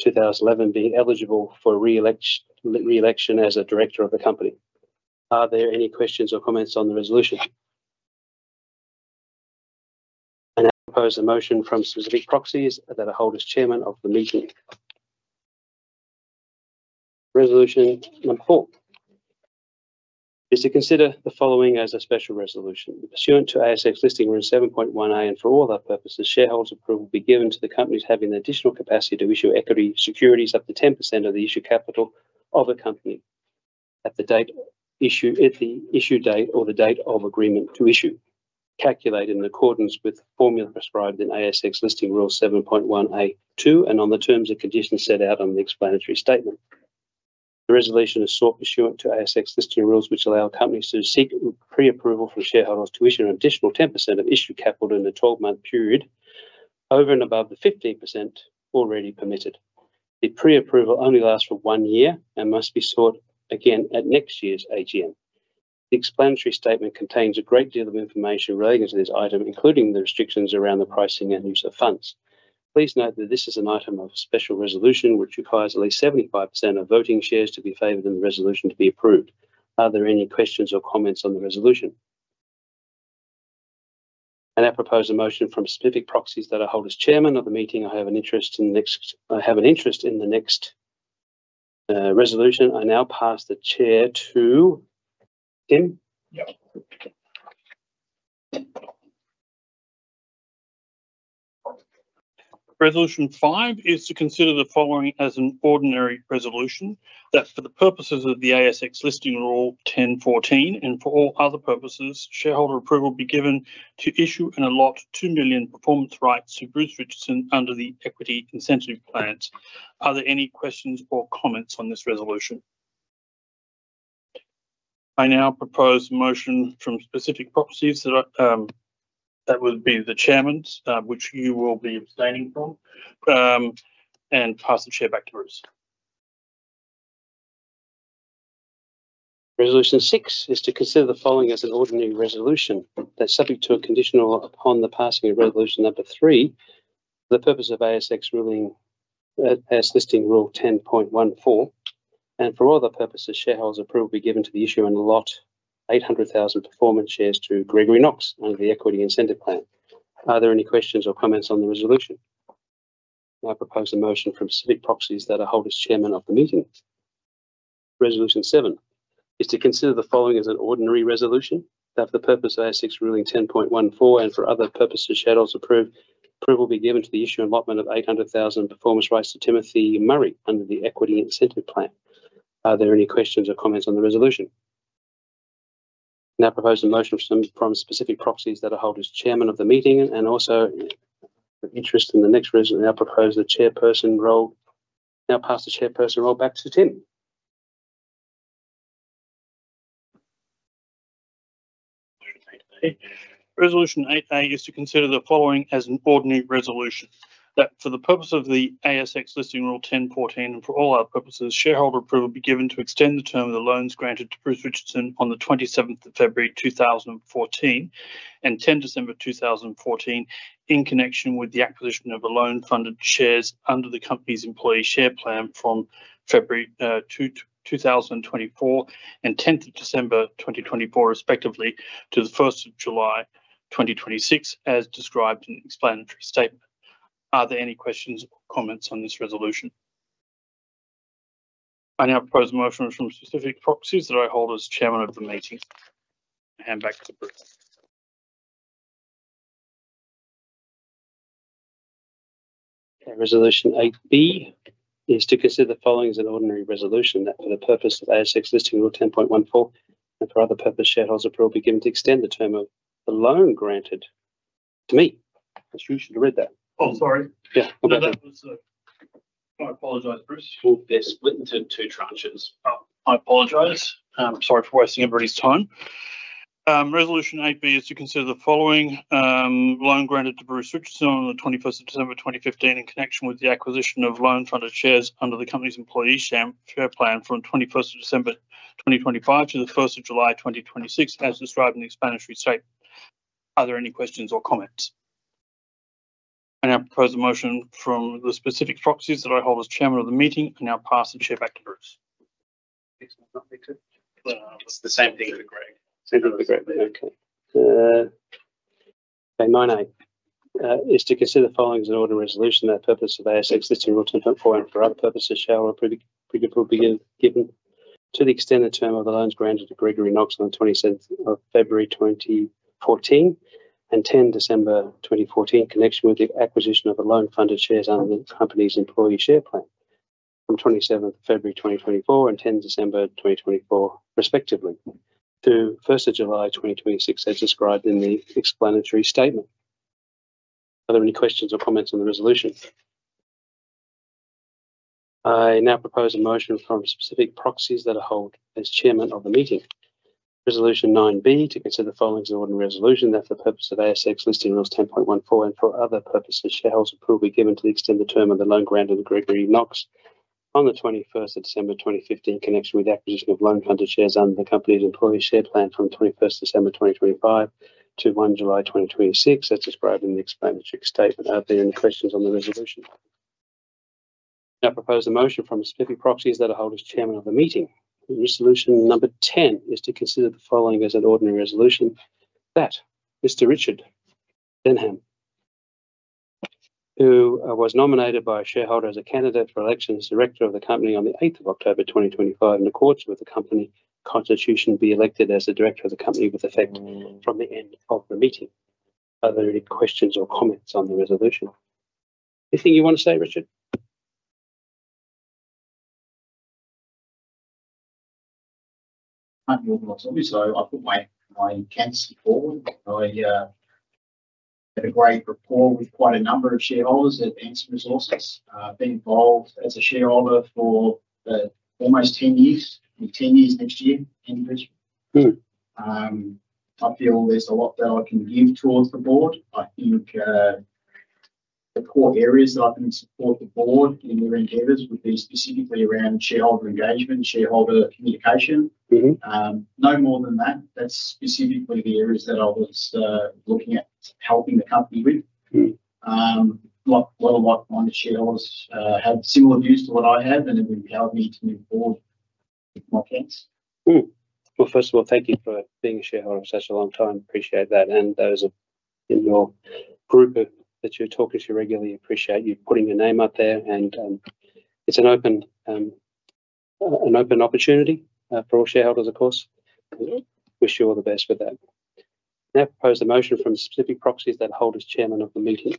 2011, being eligible for re-election as a Director of the company. Are there any questions or comments on the resolution? I now propose a motion from specific proxies that I hold as Chairman of the meeting. Resolution number four is to consider the following as a special resolution. Pursuant to ASX Listing Rule 7.1A and for all other purposes, shareholders' approval will be given to the companies having the additional capacity to issue equity securities up to 10% of the issued capital of a company at the issue date or the date of agreement to issue, calculated in accordance with the formula prescribed in ASX Listing Rule 7.1A2 and on the terms and conditions set out on the explanatory statement. The resolution is sought pursuant to ASX Listing Rules, which allow companies to seek pre-approval from shareholders to issue an additional 10% of issued capital in a 12-month period over and above the 15% already permitted. The pre-approval only lasts for one year and must be sought again at next year's AGM. The explanatory statement contains a great deal of information relating to this item, including the restrictions around the pricing and use of funds. Please note that this is an item of a special resolution, which requires at least 75% of voting shares to be favored in the resolution to be approved. Are there any questions or comments on the resolution? I now propose a motion from specific proxies that I hold as Chairman of the meeting. I have an interest in the next resolution. I now pass the chair to Tim. Resolution five is to consider the following as an ordinary resolution. That for the purposes of the ASX Listing Rule 1014 and for all other purposes, shareholder approval will be given to issue and allot 2 million performance rights to Bruce Richardson under the equity incentive plans. Are there any questions or comments on this resolution? I now propose a motion from specific proxies that would be the Chairman, which you will be abstaining from, and pass the chair back to Bruce. Resolution six is to consider the following as an ordinary resolution. That is subject to and conditional upon the passing of resolution number three for the purpose of ASX Listing Rule 10.14 and for all other purposes, shareholders' approval will be given to the issue and allot 800,000 performance shares to Gregory Knox under the equity incentive plan. Are there any questions or comments on the resolution? That for the purpose of the ASX Listing Rule 10.14 and for all other purposes, shareholder approval will be given to extend the term of the loans granted to Bruce Richardson on the 27th of February 2014 and 10th of December 2014 in connection with the acquisition of the loan-funded shares under the company's employee share plan from February 2024 and 10th of December 2024, respectively, to the 1st of July 2026, as described in the explanatory statement. Are there any questions or comments on this resolution? I now propose a motion from specific proxies that I hold as Chairman of the meeting. Hand back to Bruce. Resolution eight B is to consider the following as an ordinary resolution. That for the purpose of ASX Listing Rule 10.14 and for other purposes, shareholders' approval will be given to extend the term of the loan granted to me. You should have read that. Oh, sorry. Yeah, go back. I apologize, Bruce. They're split into two tranches. I apologize. Sorry for wasting everybody's time. Resolution eight B is to consider the following loan granted to Bruce Richardson on the 21st of December 2015 in connection with the acquisition of loan-funded shares under the company's employee share plan from the 21st of December 2025 to the 1st of July 2026, as described in the explanatory statement. Are there any questions or comments? I now propose a motion from the specific proxies that I hold as Chairman of the meeting. I now pass the chair back to Bruce. It's the same thing as the Greg. Same thing as the Greg. Okay. Okay, nine A is to consider the following as an ordinary resolution. That purpose of ASX Listing Rule 10.4 and for other purposes, shareholder approval will be given to the extend the term of the loans granted to Gregory Knox on the 27th of February 2014 and 10th of December 2014 in connection with the acquisition of the loan-funded shares under the company's employee share plan from the 27th of February 2024 and 10th of December 2024, respectively, to the 1st of July 2026, as described in the explanatory statement. Are there any questions or comments on the resolution? I now propose a motion from specific proxies that I hold as Chairman of the meeting. Resolution nine B to consider the following as an ordinary resolution. That for the purpose of ASX Listing Rule 10.14 and for other purposes, shareholders' approval will be given to extend the term of the loan granted to Gregory Knox on the 21st of December 2015 in connection with the acquisition of loan-funded shares under the company's employee share plan from the 21st of December 2025 to 1st of July 2026, as described in the explanatory statement. Are there any questions on the resolution? I propose a motion from specific proxies that I hold as Chairman of the meeting. Resolution number 10 is to consider the following as an ordinary resolution. That Mr. Richard Denham, who was nominated by a shareholder as a candidate for election as Director of the company on the 8th of October 2025 in accordance with the company constitution, be elected as the Director of the company with effect from the end of the meeting. Are there any questions or comments on the resolution? Anything you want to say, Richard? Thank you. I put my hands forward. I had a great rapport with quite a number of shareholders at Anson Resources. I've been involved as a shareholder for almost 10 years, 10 years next year, 10 years. I feel there's a lot that I can give towards the board. I think the core areas that I can support the board in their endeavors would be specifically around shareholder engagement, shareholder communication. No more than that. That's specifically the areas that I was looking at helping the company with. A lot of my shareholders had similar views to what I have, and it would empower me to move forward with my plans. First of all, thank you for being a shareholder for such a long time. Appreciate that. Those in your group that you're talking to regularly appreciate you putting your name up there. It is an open opportunity for all shareholders, of course. Wish you all the best with that. I now propose a motion from specific proxies that I hold as Chairman of the meeting.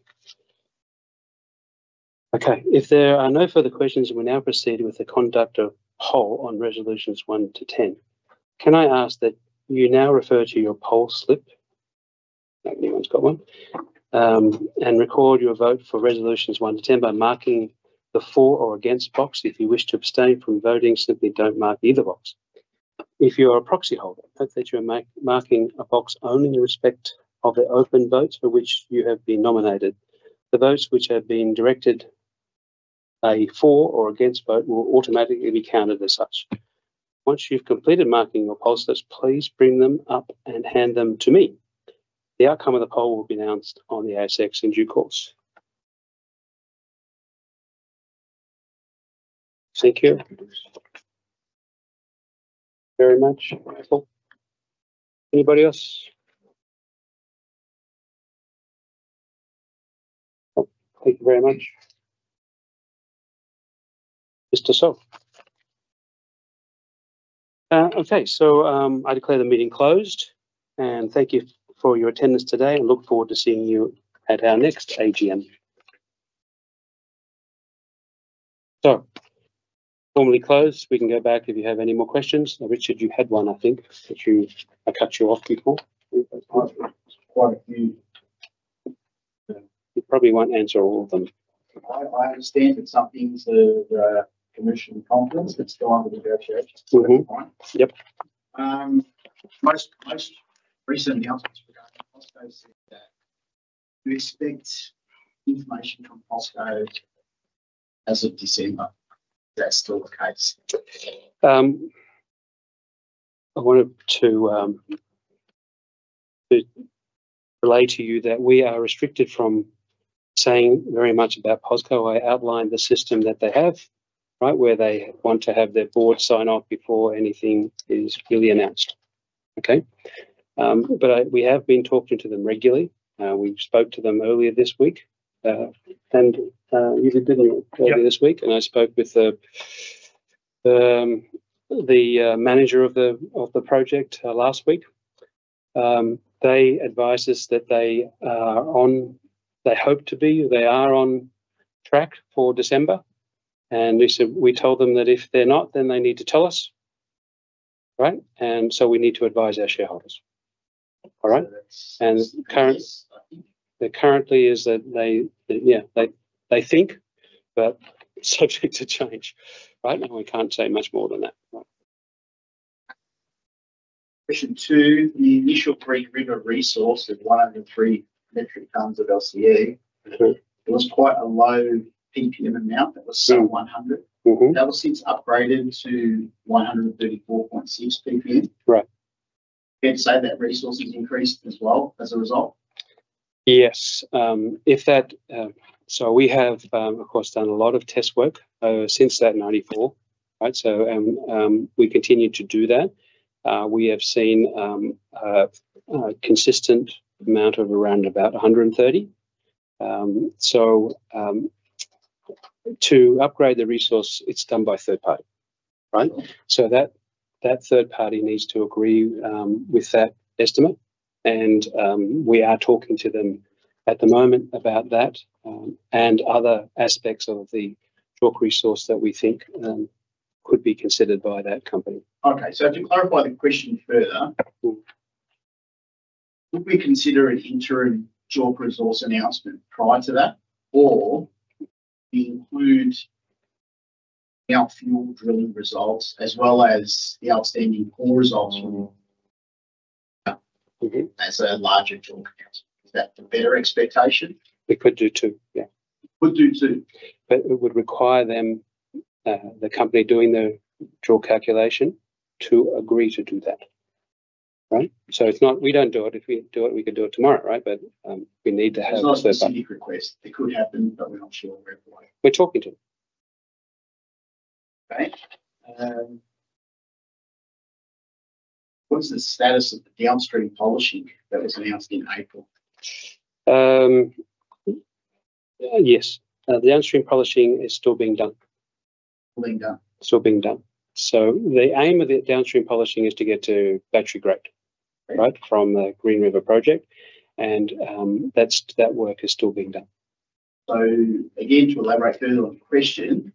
Okay. If there are no further questions, we will now proceed with the conduct of poll on resolutions 1 to 10. Can I ask that you now refer to your poll slip, if anyone's got one, and record your vote for resolutions 1 to 10 by marking the for or against box. If you wish to abstain from voting, simply do not mark either box. If you are a proxy holder, note that you are marking a box only in respect of the open votes for which you have been nominated. The votes which have been directed a for or against vote will automatically be counted as such. Once you've completed marking your poll slips, please bring them up and hand them to me. The outcome of the poll will be announced on the ASX in due course. Thank you very much. Anybody else? Thank you very much. Mr. Soap. Okay. I declare the meeting closed. Thank you for your attendance today. I look forward to seeing you at our next AGM. Formally closed. We can go back if you have any more questions. Richard, you had one, I think, that I cut you off before. Quite a few. You probably won't answer all of them. I understand that some things are commission confidence that's still under negotiation. Yep. Most recent announcements regarding the cost code said that we expect information from POSCO as of December. Is that still the case? I wanted to relay to you that we are restricted from saying very much about POSCO. I outlined the system that they have, right, where they want to have their board sign off before anything is really announced. Okay? We have been talking to them regularly. We spoke to them earlier this week. You did not earlier this week. I spoke with the manager of the project last week. They advised us that they are on, they hope to be, they are on track for December. We told them that if they are not, then they need to tell us. Right? We need to advise our shareholders. All right? Currently, they think, but subject to change. We cannot say much more than that. addition to the initial Green River resources and one of the three electric funds of LCA, there was quite a low PPM amount that was 100. That was since upgraded to 134.6 PPM. Right. You'd say that resources increased as well as a result? Yes. We have, of course, done a lot of test work since that 1994. Right? We continue to do that. We have seen a consistent amount of around about 130. To upgrade the resource, it is done by a third party. Right? That third party needs to agree with that estimate. We are talking to them at the moment about that and other aspects of the JORC resource that we think could be considered by that company. Okay. To clarify the question further, would we consider an interim JORC resource announcement prior to that, or include our field drilling results as well as the outstanding pool results as a larger JORC? Is that a better expectation? It could do two. Yeah. It would do two. It would require them, the company doing the JORC calculation, to agree to do that. Right? It's not we don't do it. If we do it, we could do it tomorrow. Right? But we need to have a third party. It's not a CD request. It could happen, but we're not sure where it will go. We're talking to them. Okay. What is the status of the downstream polishing that was announced in April? Yes. The downstream polishing is still being done. Still being done. Still being done. The aim of the downstream polishing is to get to battery grade, right, from the Green River project. That work is still being done. To elaborate further on the question,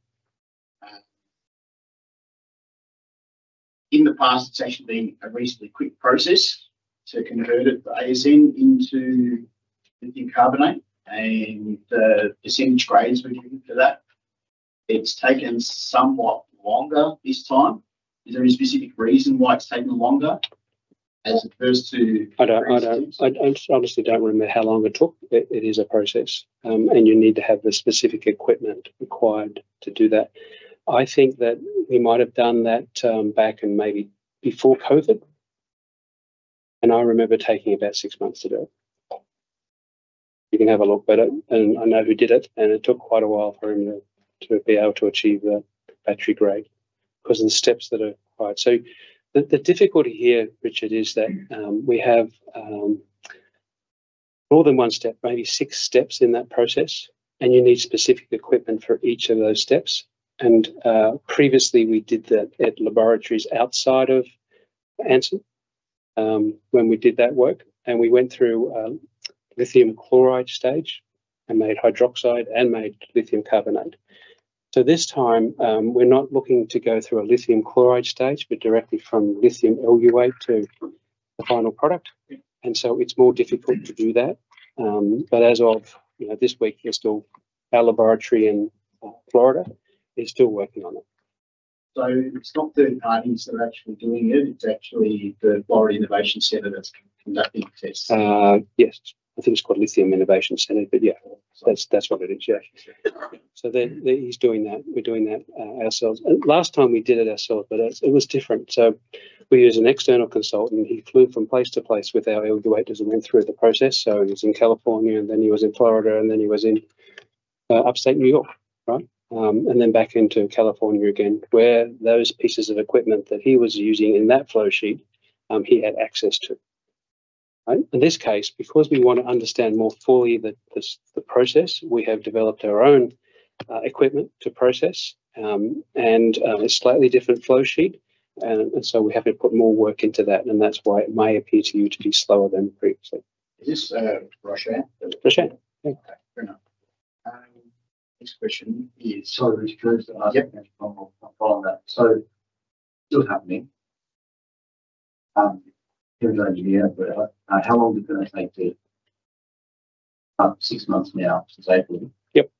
in the past, it's actually been a reasonably quick process to convert it for ASN into decarbonate. The percentage grades we're given for that, it's taken somewhat longer this time. Is there a specific reason why it's taken longer as opposed to? I honestly don't remember how long it took. It is a process. You need to have the specific equipment required to do that. I think that we might have done that back in maybe before COVID. I remember taking about six months to do it. You can have a look, but I know who did it. It took quite a while for him to be able to achieve the battery grade because of the steps that are required. The difficulty here, Richard, is that we have more than one step, maybe six steps in that process. You need specific equipment for each of those steps. Previously, we did that at laboratories outside of Anson when we did that work. We went through a lithium chloride stage and made hydroxide and made lithium carbonate. This time, we're not looking to go through a lithium chloride stage, but directly from lithium LUA to the final product. It is more difficult to do that. As of this week, our laboratory in Florida is still working on it. It is not third parties that are actually doing it. It is actually the Florida Innovation Center that is conducting the tests. Yes. I think it's called Lithium Innovation Center. Yeah, that's what it is. Yeah. He's doing that. We're doing that ourselves. Last time we did it ourselves, but it was different. We used an external consultant. He flew from place to place with our LUA as we went through the process. He was in California, and then he was in Florida, and then he was in upstate New York. Right? Then back into California again, where those pieces of equipment that he was using in that flow sheet, he had access to. Right? In this case, because we want to understand more fully the process, we have developed our own equipment to process. It's a slightly different flow sheet. We have to put more work into that. That's why it may appear to you to be slower than previously. Okay. Fair enough. Next question is, sorry, I'll follow that. Still happening. He was an engineer, but how long is it going to take to six months now since April? Yep.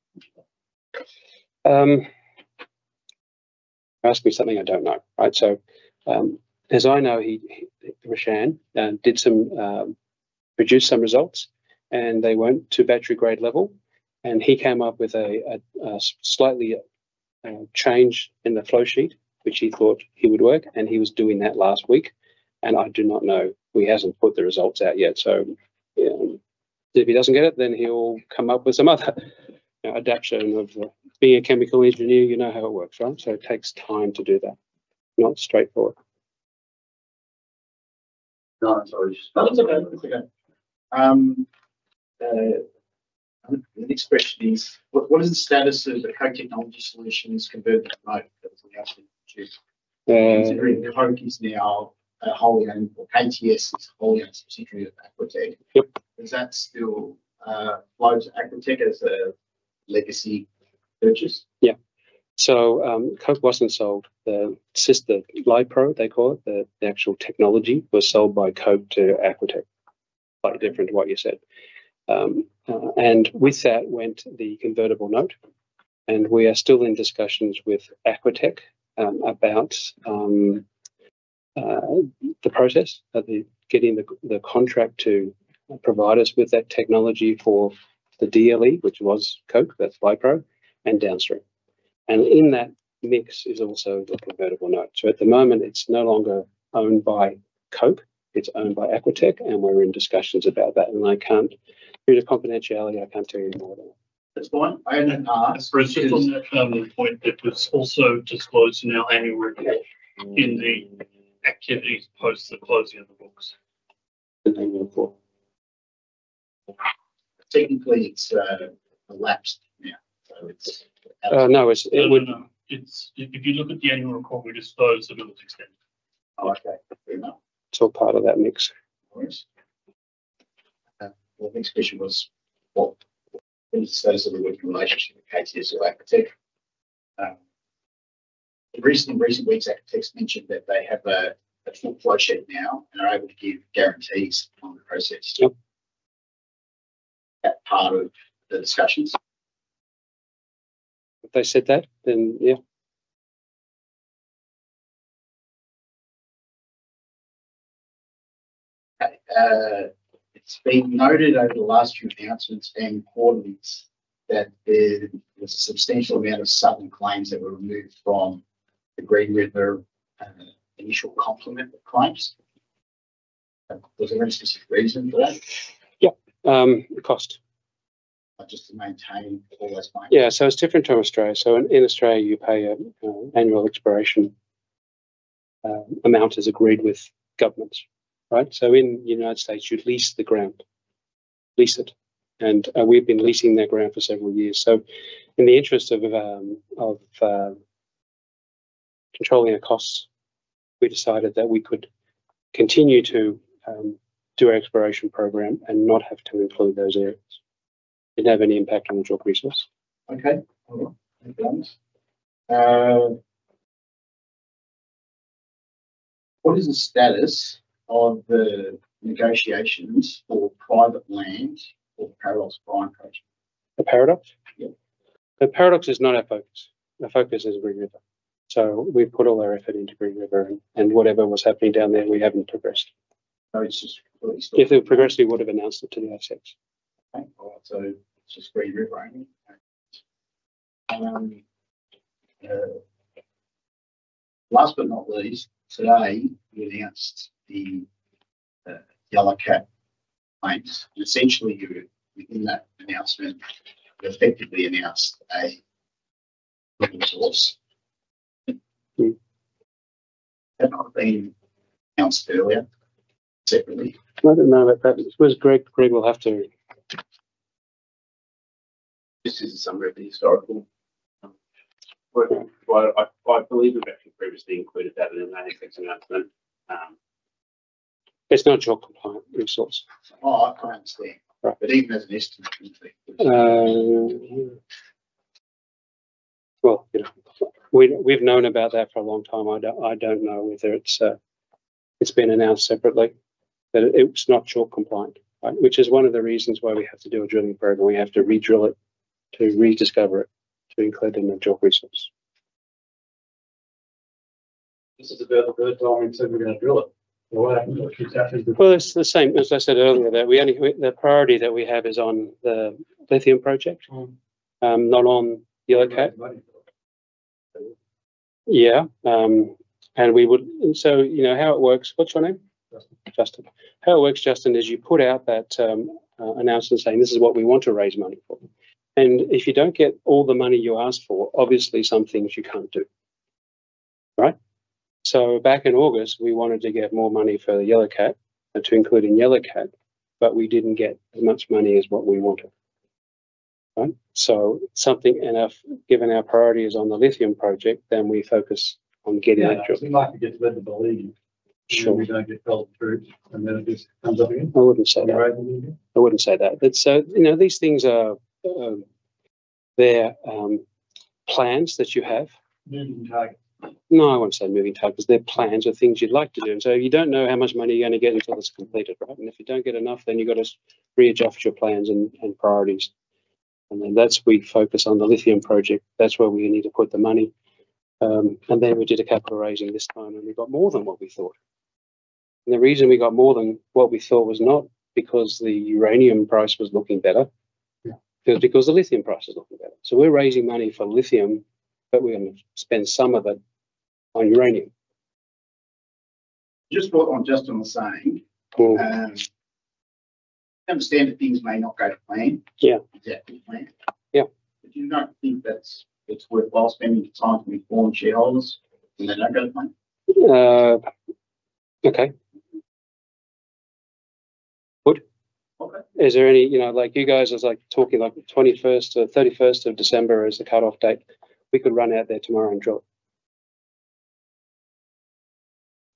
Ask me something I do not know. Right? As I know, [Roshan] did some produce some results, and they went to battery grade level. He came up with a slightly change in the flow sheet, which he thought would work. He was doing that last week. I do not know. We have not put the results out yet. If he does not get it, then he will come up with some other adaptation of being a chemical engineer. You know how it works, right? It takes time to do that. Not straightforward. No, I am sorry. It is okay. It is okay. The next question is, what is the status of the Koch Technology Solutions convertible note that was announced in June? Considering that Koch is now a wholly owned or KTS is a wholly owned subsidiary of Aquatech, does that still flow to Aquatech as a legacy purchase? Yeah. Koch was not sold. The sister Li-Pro, they call it, the actual technology was sold by Koch to Aquatech. Quite different to what you said. With that went the convertible note. We are still in discussions with Aquatech about the process, getting the contract to provide us with that technology for the DLE, which was Koch, that is Li-Pro, and downstream. In that mix is also the convertible note. At the moment, it is no longer owned by Koch. It is owned by Aquatech. We are in discussions about that. Due to confidentiality, I cannot tell you more than that. At this point? I only asked for a simple point that was also disclosed in our annual report in the activities post the closing of the books. The annual report. Technically, it's elapsed now. No, it wouldn't. If you look at the annual report, we disclose the middle of the extent. Oh, okay. Fair enough. Still part of that mix. The next question was, what is the status of the working relationship with KTS or Aquatech? In recent weeks, Aquatech mentioned that they have a full flow sheet now and are able to give guarantees on the process. Yep. That part of the discussions? If they said that, then yeah. Okay. It's been noted over the last few announcements and quarters that there was a substantial amount of sudden claims that were removed from the Green River initial complement of claims. Was there any specific reason for that? Yep. Cost. Just to maintain all those claims? Yeah. It is different from Australia. In Australia, you pay an annual expiration amount as agreed with governments. Right? In the United States, you lease the ground. Lease it. We have been leasing that ground for several years. In the interest of controlling our costs, we decided that we could continue to do our expiration program and not have to include those areas. It did not have any impact on the job resource. Okay. All right. Thanks. What is the status of the negotiations for private land or Paradox buying project? The Paradox? Yep. The Paradox is not our focus. Our focus is Green River. We have put all our effort into Green River. Whatever was happening down there, we have not progressed. It is just completely still. If it progressed, we would have announced it to the ASX. Okay. All right. It is just Green River only. Last but not least, today, you announced the Yellow Cat claims. Essentially, within that announcement, you effectively announced a JORC resource. That might have been announced earlier. Separately. I did not know that that was Greg. Greg will have to— This is a summary of the historical. I believe we have actually previously included that in the manifest announcement. It is not JORC compliant resource. Oh, I cannot understand. Even as an estimate, complete. We have known about that for a long time. I do not know whether it has been announced separately. It is not JORC compliant, right? Which is one of the reasons why we have to do a drilling program. We have to redrill it to rediscover it to include it in the JORC resource. This is a verbal burden. You tell me we are going to drill it. What happens? It is the same. As I said earlier, the priority that we have is on the lithium project, not on Yellow Cat. Yeah. We would—so how it works—what's your name? Justin. Justin. How it works, Justin, is you put out that announcement saying, "This is what we want to raise money for." If you do not get all the money you asked for, obviously, some things you cannot do. Right? Back in August, we wanted to get more money for the Yellow Cat to include in Yellow Cat, but we did not get as much money as what we wanted. Right? Given our priority is on the lithium project, we focus on getting that job. That seems like you just have to believe that we do not get told through, and then it just comes up again. I would not say that. I would not say that. These things are their plans that you have. Moving target. No, I would not say moving target. Because their plans are things you would like to do. You do not know how much money you are going to get until it is completed, right? If you do not get enough, then you have to readjust your plans and priorities. That is where you focus on the lithium project. That is where we need to put the money. We did a capital raising this time, and we got more than what we thought. The reason we got more than what we thought was not because the uranium price was looking better, but because the lithium price was looking better. We are raising money for lithium, but we are going to spend some of it on uranium. Just what Justin was saying, I understand that things may not go to plan. Yeah. Exactly planned. Yeah. Do you not think that it's worthwhile spending time to inform shareholders when they don't go to plan? Okay. Good. Okay. Is there any—like you guys were talking like 21st or 31st of December as the cutoff date. We could run out there tomorrow and drop.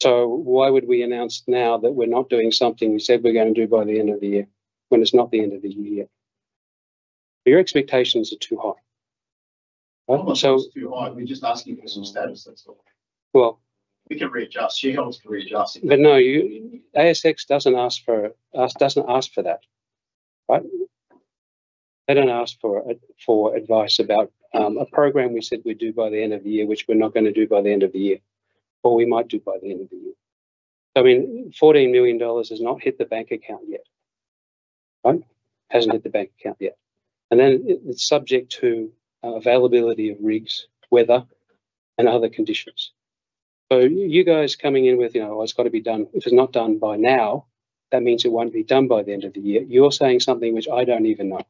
Why would we announce now that we're not doing something we said we're going to do by the end of the year when it's not the end of the year yet? Your expectations are too high. Right? It's too high. We're just asking for some status. That's all. We can readjust. Shareholders can readjust. No, ASX doesn't ask for—doesn't ask for that. Right? They don't ask for advice about a program we said we'd do by the end of the year, which we're not going to do by the end of the year. Or we might do by the end of the year. I mean, 14 million dollars has not hit the bank account yet. Right? Hasn't hit the bank account yet. It is subject to availability of rigs, weather, and other conditions. You guys coming in with, "It's got to be done." If it's not done by now, that means it won't be done by the end of the year. You're saying something which I don't even know.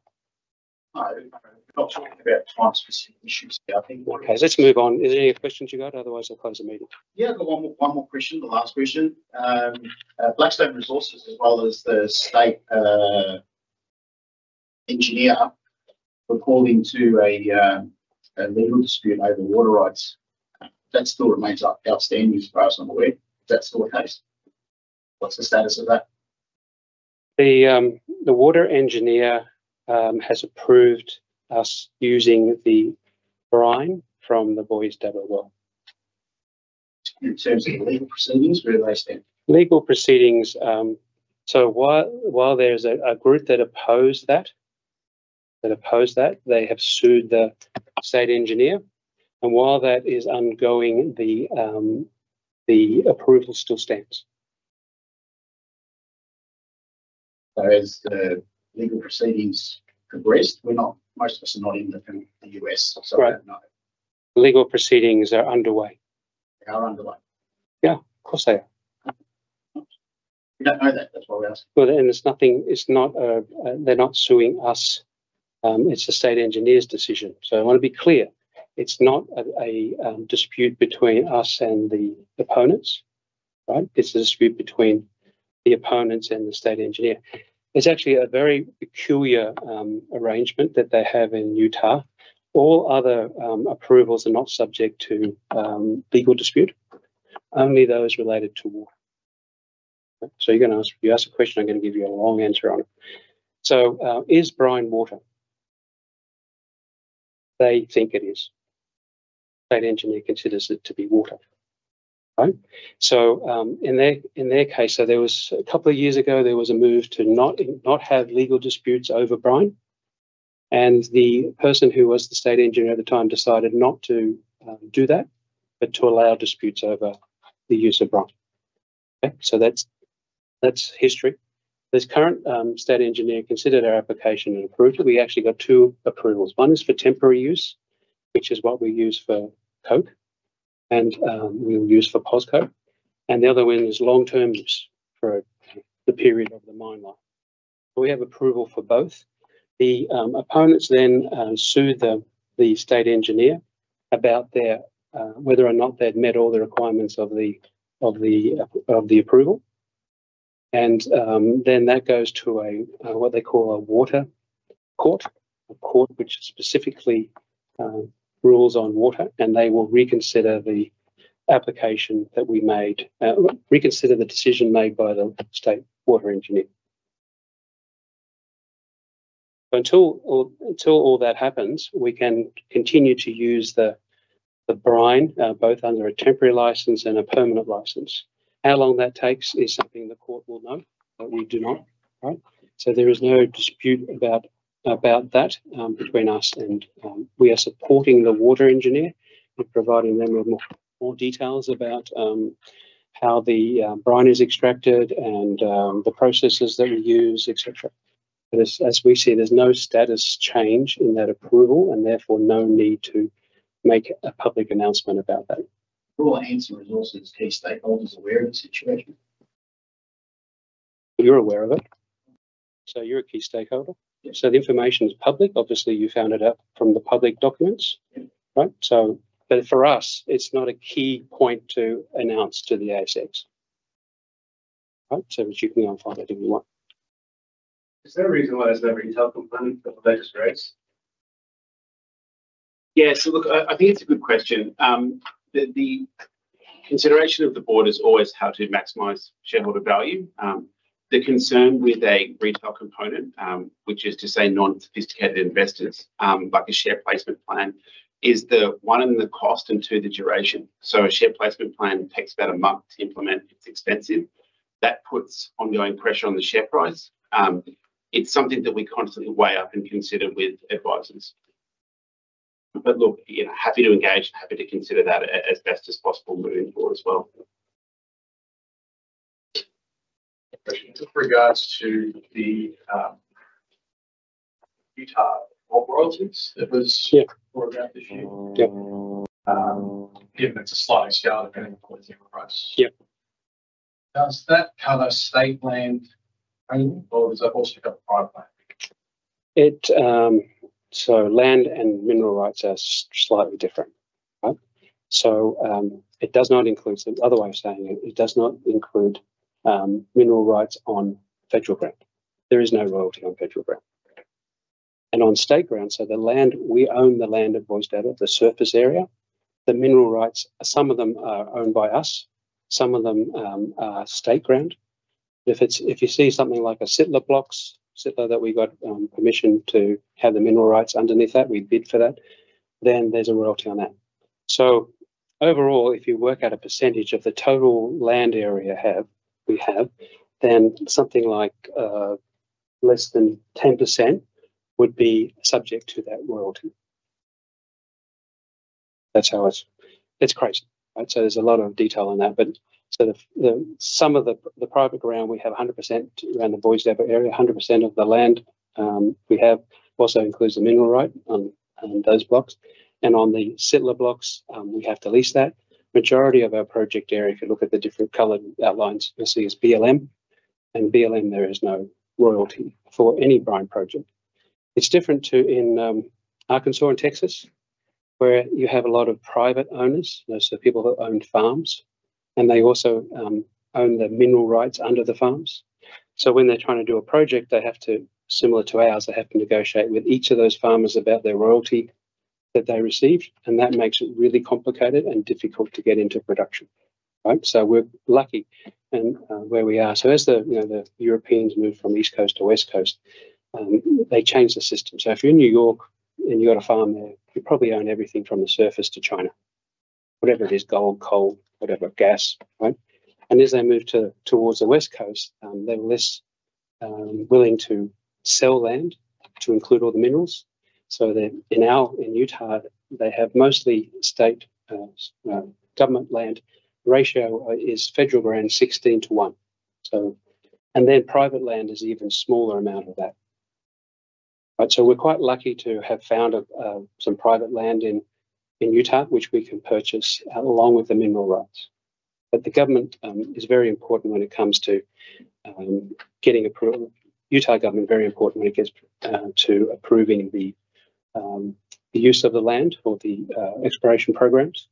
I'm not talking about time-specific issues. Okay. Let's move on. Is there any other questions you got? Otherwise, I'll close the meeting. Yeah. One more question. The last question. Blackstone Resources, as well as the state engineer, reporting to a legal dispute over water rights. That still remains outstanding as far as I'm aware. Is that still the case? What's the status of that? The water engineer has approved us using the brine from the Pozzo Devil Well. In terms of legal proceedings, where do they stand? Legal proceedings—while there's a group that opposed that, they have sued the state engineer. While that is ongoing, the approval still stands. As the legal proceedings progressed, most of us are not in the U.S. No. Right. Legal proceedings are underway. They are underway. Yeah. Of course they are. We do not know that. That is why we asked. It is nothing—it is not a—they are not suing us. It is the state engineer's decision. I want to be clear. It is not a dispute between us and the opponents. Right? It is a dispute between the opponents and the state engineer. It is actually a very peculiar arrangement that they have in Utah. All other approvals are not subject to legal dispute. Only those related to water. If you ask a question, I'm going to give you a long answer on it. Is brine water? They think it is. State engineer considers it to be water. Right? In their case, a couple of years ago, there was a move to not have legal disputes over brine. The person who was the state engineer at the time decided not to do that, but to allow disputes over the use of brine. That is history. This current state engineer considered our application and approved it. We actually got two approvals. One is for temporary use, which is what we use for Coke and we will use for POSCO. The other one is long-term use for the period of the mine life. We have approval for both. The opponents then sued the state engineer about whether or not they'd met all the requirements of the approval. That goes to what they call a water court, a court which specifically rules on water. They will reconsider the application that we made, reconsider the decision made by the state water engineer. Until all that happens, we can continue to use the brine, both under a temporary license and a permanent license. How long that takes is something the court will know, but we do not. Right? There is no dispute about that between us. We are supporting the water engineer in providing them with more details about how the brine is extracted and the processes that we use, etc. As we see, there's no status change in that approval, and therefore, no need to make a public announcement about that. Will Anson Resources key stakeholders aware of the situation? You're aware of it. So you're a key stakeholder. So the information is public. Obviously, you found it out from the public documents. Right? For us, it's not a key point to announce to the ASX. Right? You can go and find that if you want. Is there a reason why there's no retail component for the latest raise? Yeah. I think it's a good question. The consideration of the board is always how to maximize shareholder value. The concern with a retail component, which is to say non-sophisticated investors, like a share placement plan, is the one in the cost and two the duration. A share placement plan takes about a month to implement. It's expensive. That puts ongoing pressure on the share price. It's something that we constantly weigh up and consider with advisors. Look, happy to engage and happy to consider that as best as possible moving forward as well. With regards to the Utah Royalties, that was a program this year. Yeah. Yeah. That's a slightly scouted lithium price. Yep. Does that cover state land only, or does that also cover private land? Land and mineral rights are slightly different. Right? It does not include—so the other way of saying it, it does not include mineral rights on federal ground. There is no royalty on federal ground. On state ground, the land we own at Boise Devil, the surface area, the mineral rights, some of them are owned by us, some of them are state ground. If you see something like a Sitler block, Sitler that we got permission to have the mineral rights underneath that, we bid for that, then there's a royalty on that. Overall, if you work out a percentage of the total land area we have, then something like less than 10% would be subject to that royalty. That's how it is. Right? There is a lot of detail on that. Some of the private ground we have 100% around the Pozzo Devil area, 100% of the land we have also includes the mineral right on those blocks. On the Sitler blocks, we have to lease that. The majority of our project area, if you look at the different colored outlines, you'll see is BLM. BLM, there is no royalty for any brine project. It's different in Arkansas and Texas where you have a lot of private owners, so people who own farms. They also own the mineral rights under the farms. When they're trying to do a project, similar to ours, they have to negotiate with each of those farmers about their royalty that they receive. That makes it really complicated and difficult to get into production. Right? We're lucky where we are. As the Europeans moved from East Coast to West Coast, they changed the system. If you're in New York and you've got a farm there, you probably own everything from the surface to China, whatever it is—gold, coal, whatever, gas. Right? As they moved towards the West Coast, they were less willing to sell land to include all the minerals. In Utah, they have mostly state government land. The ratio is federal ground 16 to 1. And then private land is an even smaller amount of that. Right? So we're quite lucky to have found some private land in Utah, which we can purchase along with the mineral rights. But the government is very important when it comes to getting—Utah government is very important when it gets to approving the use of the land or the exploration programs.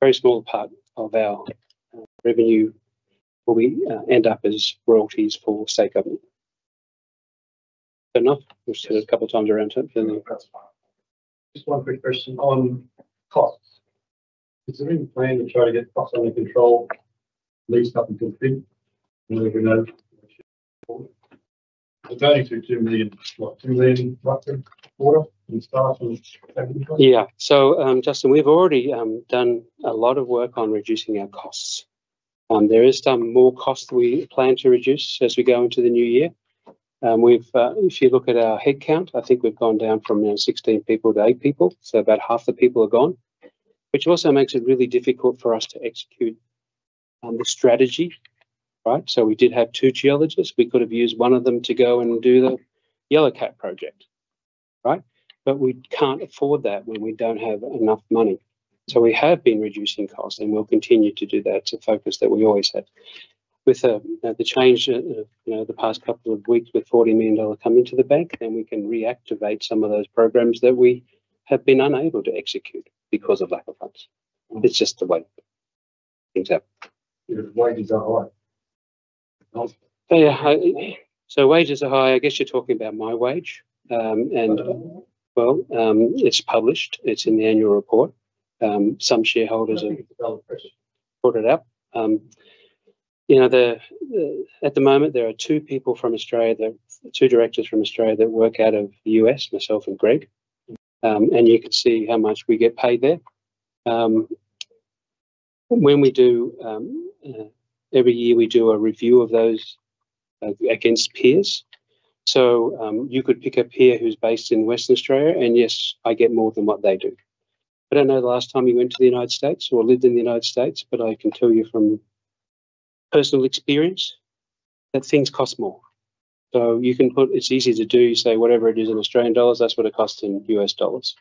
Very small part of our revenue will end up as royalties for state government. Fair enough. We've said it a couple of times around here. Just one quick question on costs. Is there any plan to try to get costs under control, at least up until February? I know we're going to $2 million, like $2 million water and start from the second. Yeah. So Justin, we've already done a lot of work on reducing our costs. There is some more cost we plan to reduce as we go into the new year. If you look at our head count, I think we've gone down from 16 people to 8 people. So about half the people are gone, which also makes it really difficult for us to execute the strategy. Right? We did have two geologists. We could have used one of them to go and do the Yellow Cat Uranium-Vanadium Project. Right? We can't afford that when we don't have enough money. We have been reducing costs, and we'll continue to do that. It's a focus that we always had. With the change the past couple of weeks, with $40 million coming to the bank, we can reactivate some of those programs that we have been unable to execute because of lack of funds. It's just the way things happen. Wages are high. Yeah. Wages are high. I guess you're talking about my wage. It's published. It's in the annual report. Some shareholders have brought it up. At the moment, there are two people from Australia—two directors from Australia—that work out of the U.S., myself and Greg. You can see how much we get paid there. Every year, we do a review of those against peers. You could pick a peer who's based in Western Australia, and yes, I get more than what they do. I don't know the last time you went to the United States or lived in the United States, but I can tell you from personal experience that things cost more. You can put—it's easy to do, say, whatever it is in Australian dollars, that's what it costs in U.S. dollars.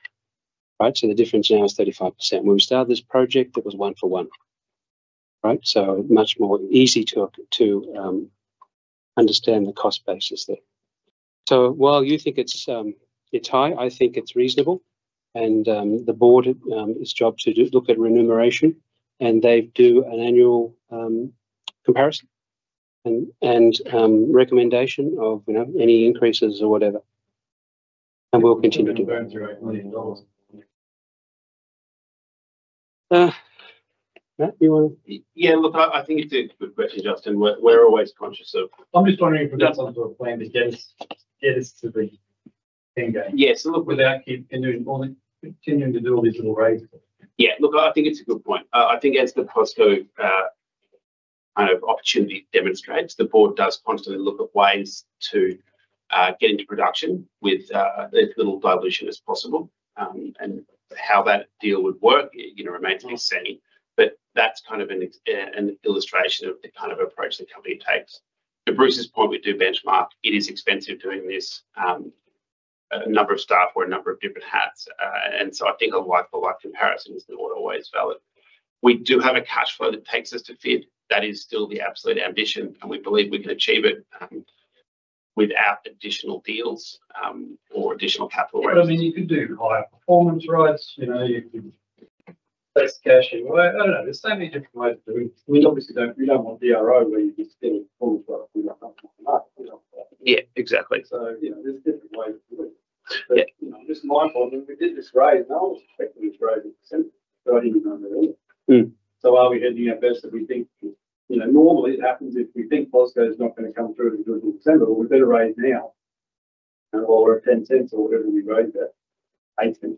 Right? The difference now is 35%. When we started this project, it was one for one. Right? So much more easy to understand the cost basis there. While you think it's high, I think it's reasonable. The board, it's job to look at remuneration, and they do an annual comparison and recommendation of any increases or whatever. We'll continue to do that. That? You want to—Yeah. Look, I think it's a good question, Justin. We're always conscious of—I'm just wondering if we've got some sort of plan to get us to the end game. Yeah. Look, without continuing to do all these little raids. Yeah. Look, I think it's a good point. I think as the POSCO kind of opportunity demonstrates, the board does constantly look at ways to get into production with as little dilution as possible. How that deal would work remains uncertain. That is kind of an illustration of the kind of approach the company takes. To Bruce's point, we do benchmark. It is expensive doing this. A number of staff wear a number of different hats. I think a like-for-like comparison is not always valid. We do have a cash flow that takes us to fit. That is still the absolute ambition. We believe we can achieve it without additional deals or additional capital raise. I mean, you could do higher performance rates. You could place cash in. I do not know. There are so many different ways of doing it. Obviously, we do not want DRO where you just get a performance rate from your company. Exactly. There are different ways of doing it. Just my point, when we did this raid, I was expecting this raid in December, but I did not know at all. Are we heading out there? We think normally it happens if we think POSCO's not going to come through to do it in December, but we better raise now. While we're at $0.10 or whatever, we raise that. $0.08.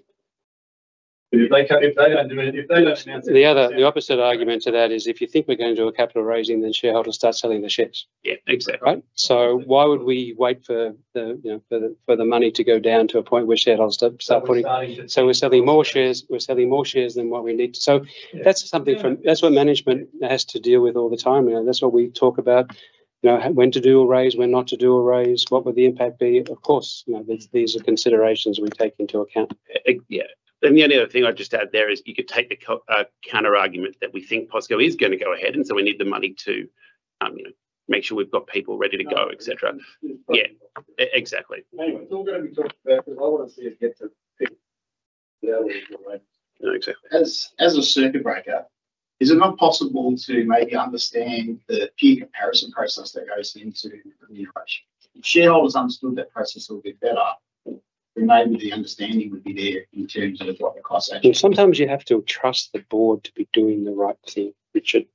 If they do not do it, if they do not announce it. The opposite argument to that is if you think we're going to do a capital raising, then shareholders start selling the shares. Yeah. Exactly. Right? Why would we wait for the money to go down to a point where shareholders start putting—so we're selling more shares. We're selling more shares than what we need. That is something that management has to deal with all the time. That is what we talk about. When to do a raise, when not to do a raise, what would the impact be? Of course, these are considerations we take into account. Yeah. The only other thing I'd just add there is you could take a counter argument that we think POSCO is going to go ahead, and so we need the money to make sure we've got people ready to go, etc. Yeah. Exactly. Anyway, it's all going to be talked about because I want to see us get to the other end of the raid. Exactly. As a circuit breaker, is it not possible to maybe understand the peer comparison process that goes into remuneration? If shareholders understood that process a little bit better, then maybe the understanding would be there in terms of what the cost actually— Sometimes you have to trust the board to be doing the right thing, Richard.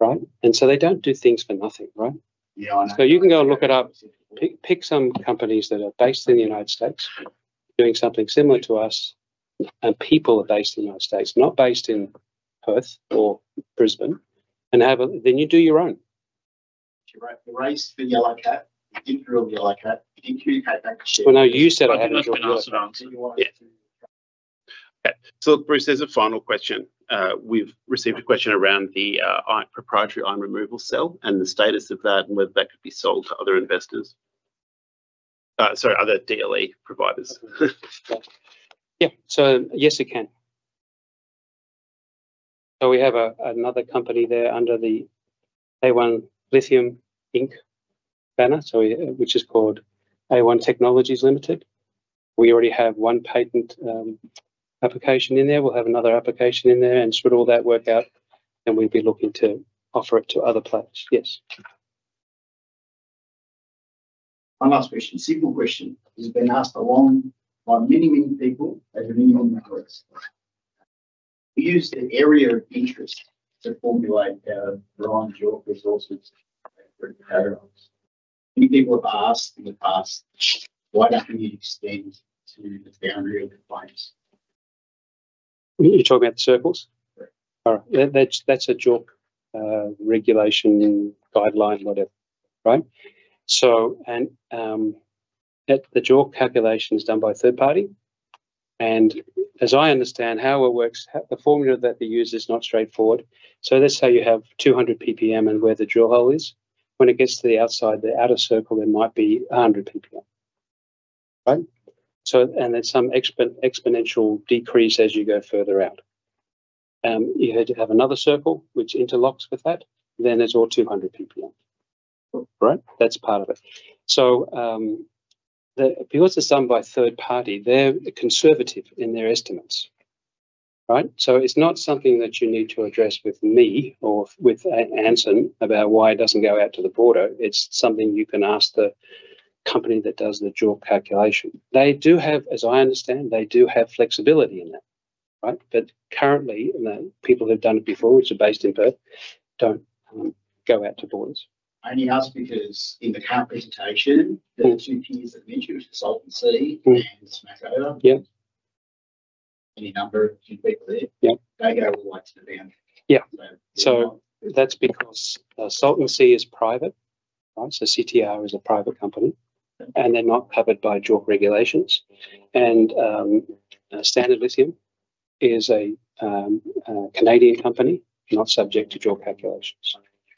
Right? They do not do things for nothing. Right? Yeah. I know. You can go look it up. Pick some companies that are based in the United States doing something similar to us, and people are based in the United States, not based in Perth or Brisbane, and then you do your own. Race the Yellow Cat, you can drill the Yellow Cat. You can communicate that to ship. No, you said I had not drawn that. Yeah. Okay. Look, Bruce, there is a final question. We have received a question around the proprietary iron removal cell and the status of that and whether that could be sold to other investors. Sorry, other DLE providers. Yeah. Yes, it can. We have another company there under the A1 Lithium banner, which is called A1 Technologies Limited. We already have one patent application in there. We will have another application in there. Should all that work out, then we'll be looking to offer it to other players. Yes. One last question, simple question. It's been asked a lot by many, many people over many, many years. We use the area of interest to formulate our branch or resources for the catalogs. Many people have asked in the past, "Why don't we extend to the boundary of the finance?" You're talking about the circles? All right. That's a JORC regulation guideline, whatever. Right? And the JORC calculation is done by a third party. As I understand, how it works, the formula that they use is not straightforward. Let's say you have 200 ppm and where the drill hole is. When it gets to the outside of the outer circle, there might be 100 ppm. Right? There's some exponential decrease as you go further out. You have to have another circle which interlocks with that. Then there is all 200 ppm. Right? That is part of it. If you want to be done by a third party, they are conservative in their estimates. Right? It is not something that you need to address with me or with Anson about why it does not go out to the border. It is something you can ask the company that does the JORC calculation. As I understand, they do have flexibility in that. Right? Currently, people who have done it before, which are based in Perth, do not go out to borders. I only ask because in the current presentation, there are two peers that mentioned Salt & Sea. Any number of two people there, they go right to the boundary. Yeah. That is because Salt & Sea is private. Right? CTR is a private company. They're not covered by JORC regulations. Standard Lithium is a Canadian company, not subject to JORC calculations.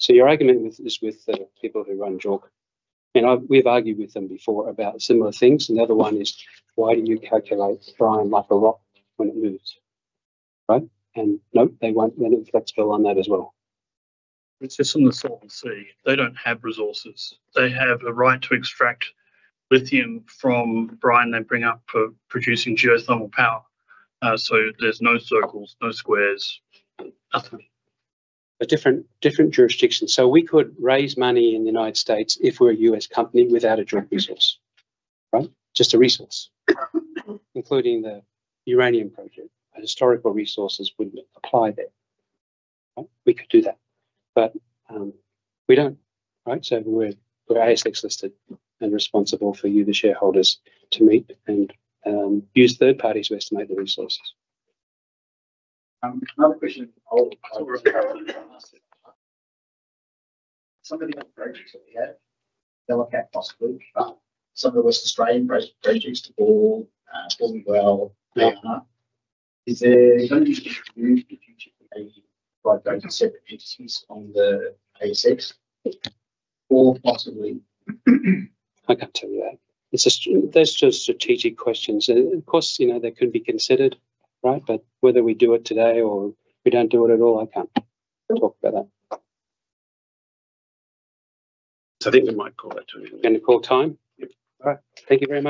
Your argument is with the people who run JORC. We've argued with them before about similar things. Another one is, "Why do you calculate brine like a rock when it moves?" They won't. They're not flexible on that as well. It's just on the Salt & Sea. They don't have resources. They have a right to extract lithium from brine they bring up for producing geothermal power. There's no circles, no squares, nothing. Different jurisdictions. We could raise money in the United States if we're a U.S. company without a direct resource. Just a resource. Including the uranium project. Historical resources wouldn't apply there. We could do that. We don't. We're ASX-listed and responsible for you, the shareholders, to meet and use third parties to estimate the resources. Another question. Some of the other projects that we had, they'll look at possibly. Some of the Western Australian projects to board, boom and well, they are. Is there going to be a distribution in the future for maybe five to seven entities on the ASX? Possibly? I can't tell you that. Those are just strategic questions. Of course, they could be considered. Right? Whether we do it today or we don't do it at all, I can't talk about that. I think we might call that too early. Going to call time? All right. Thank you very much.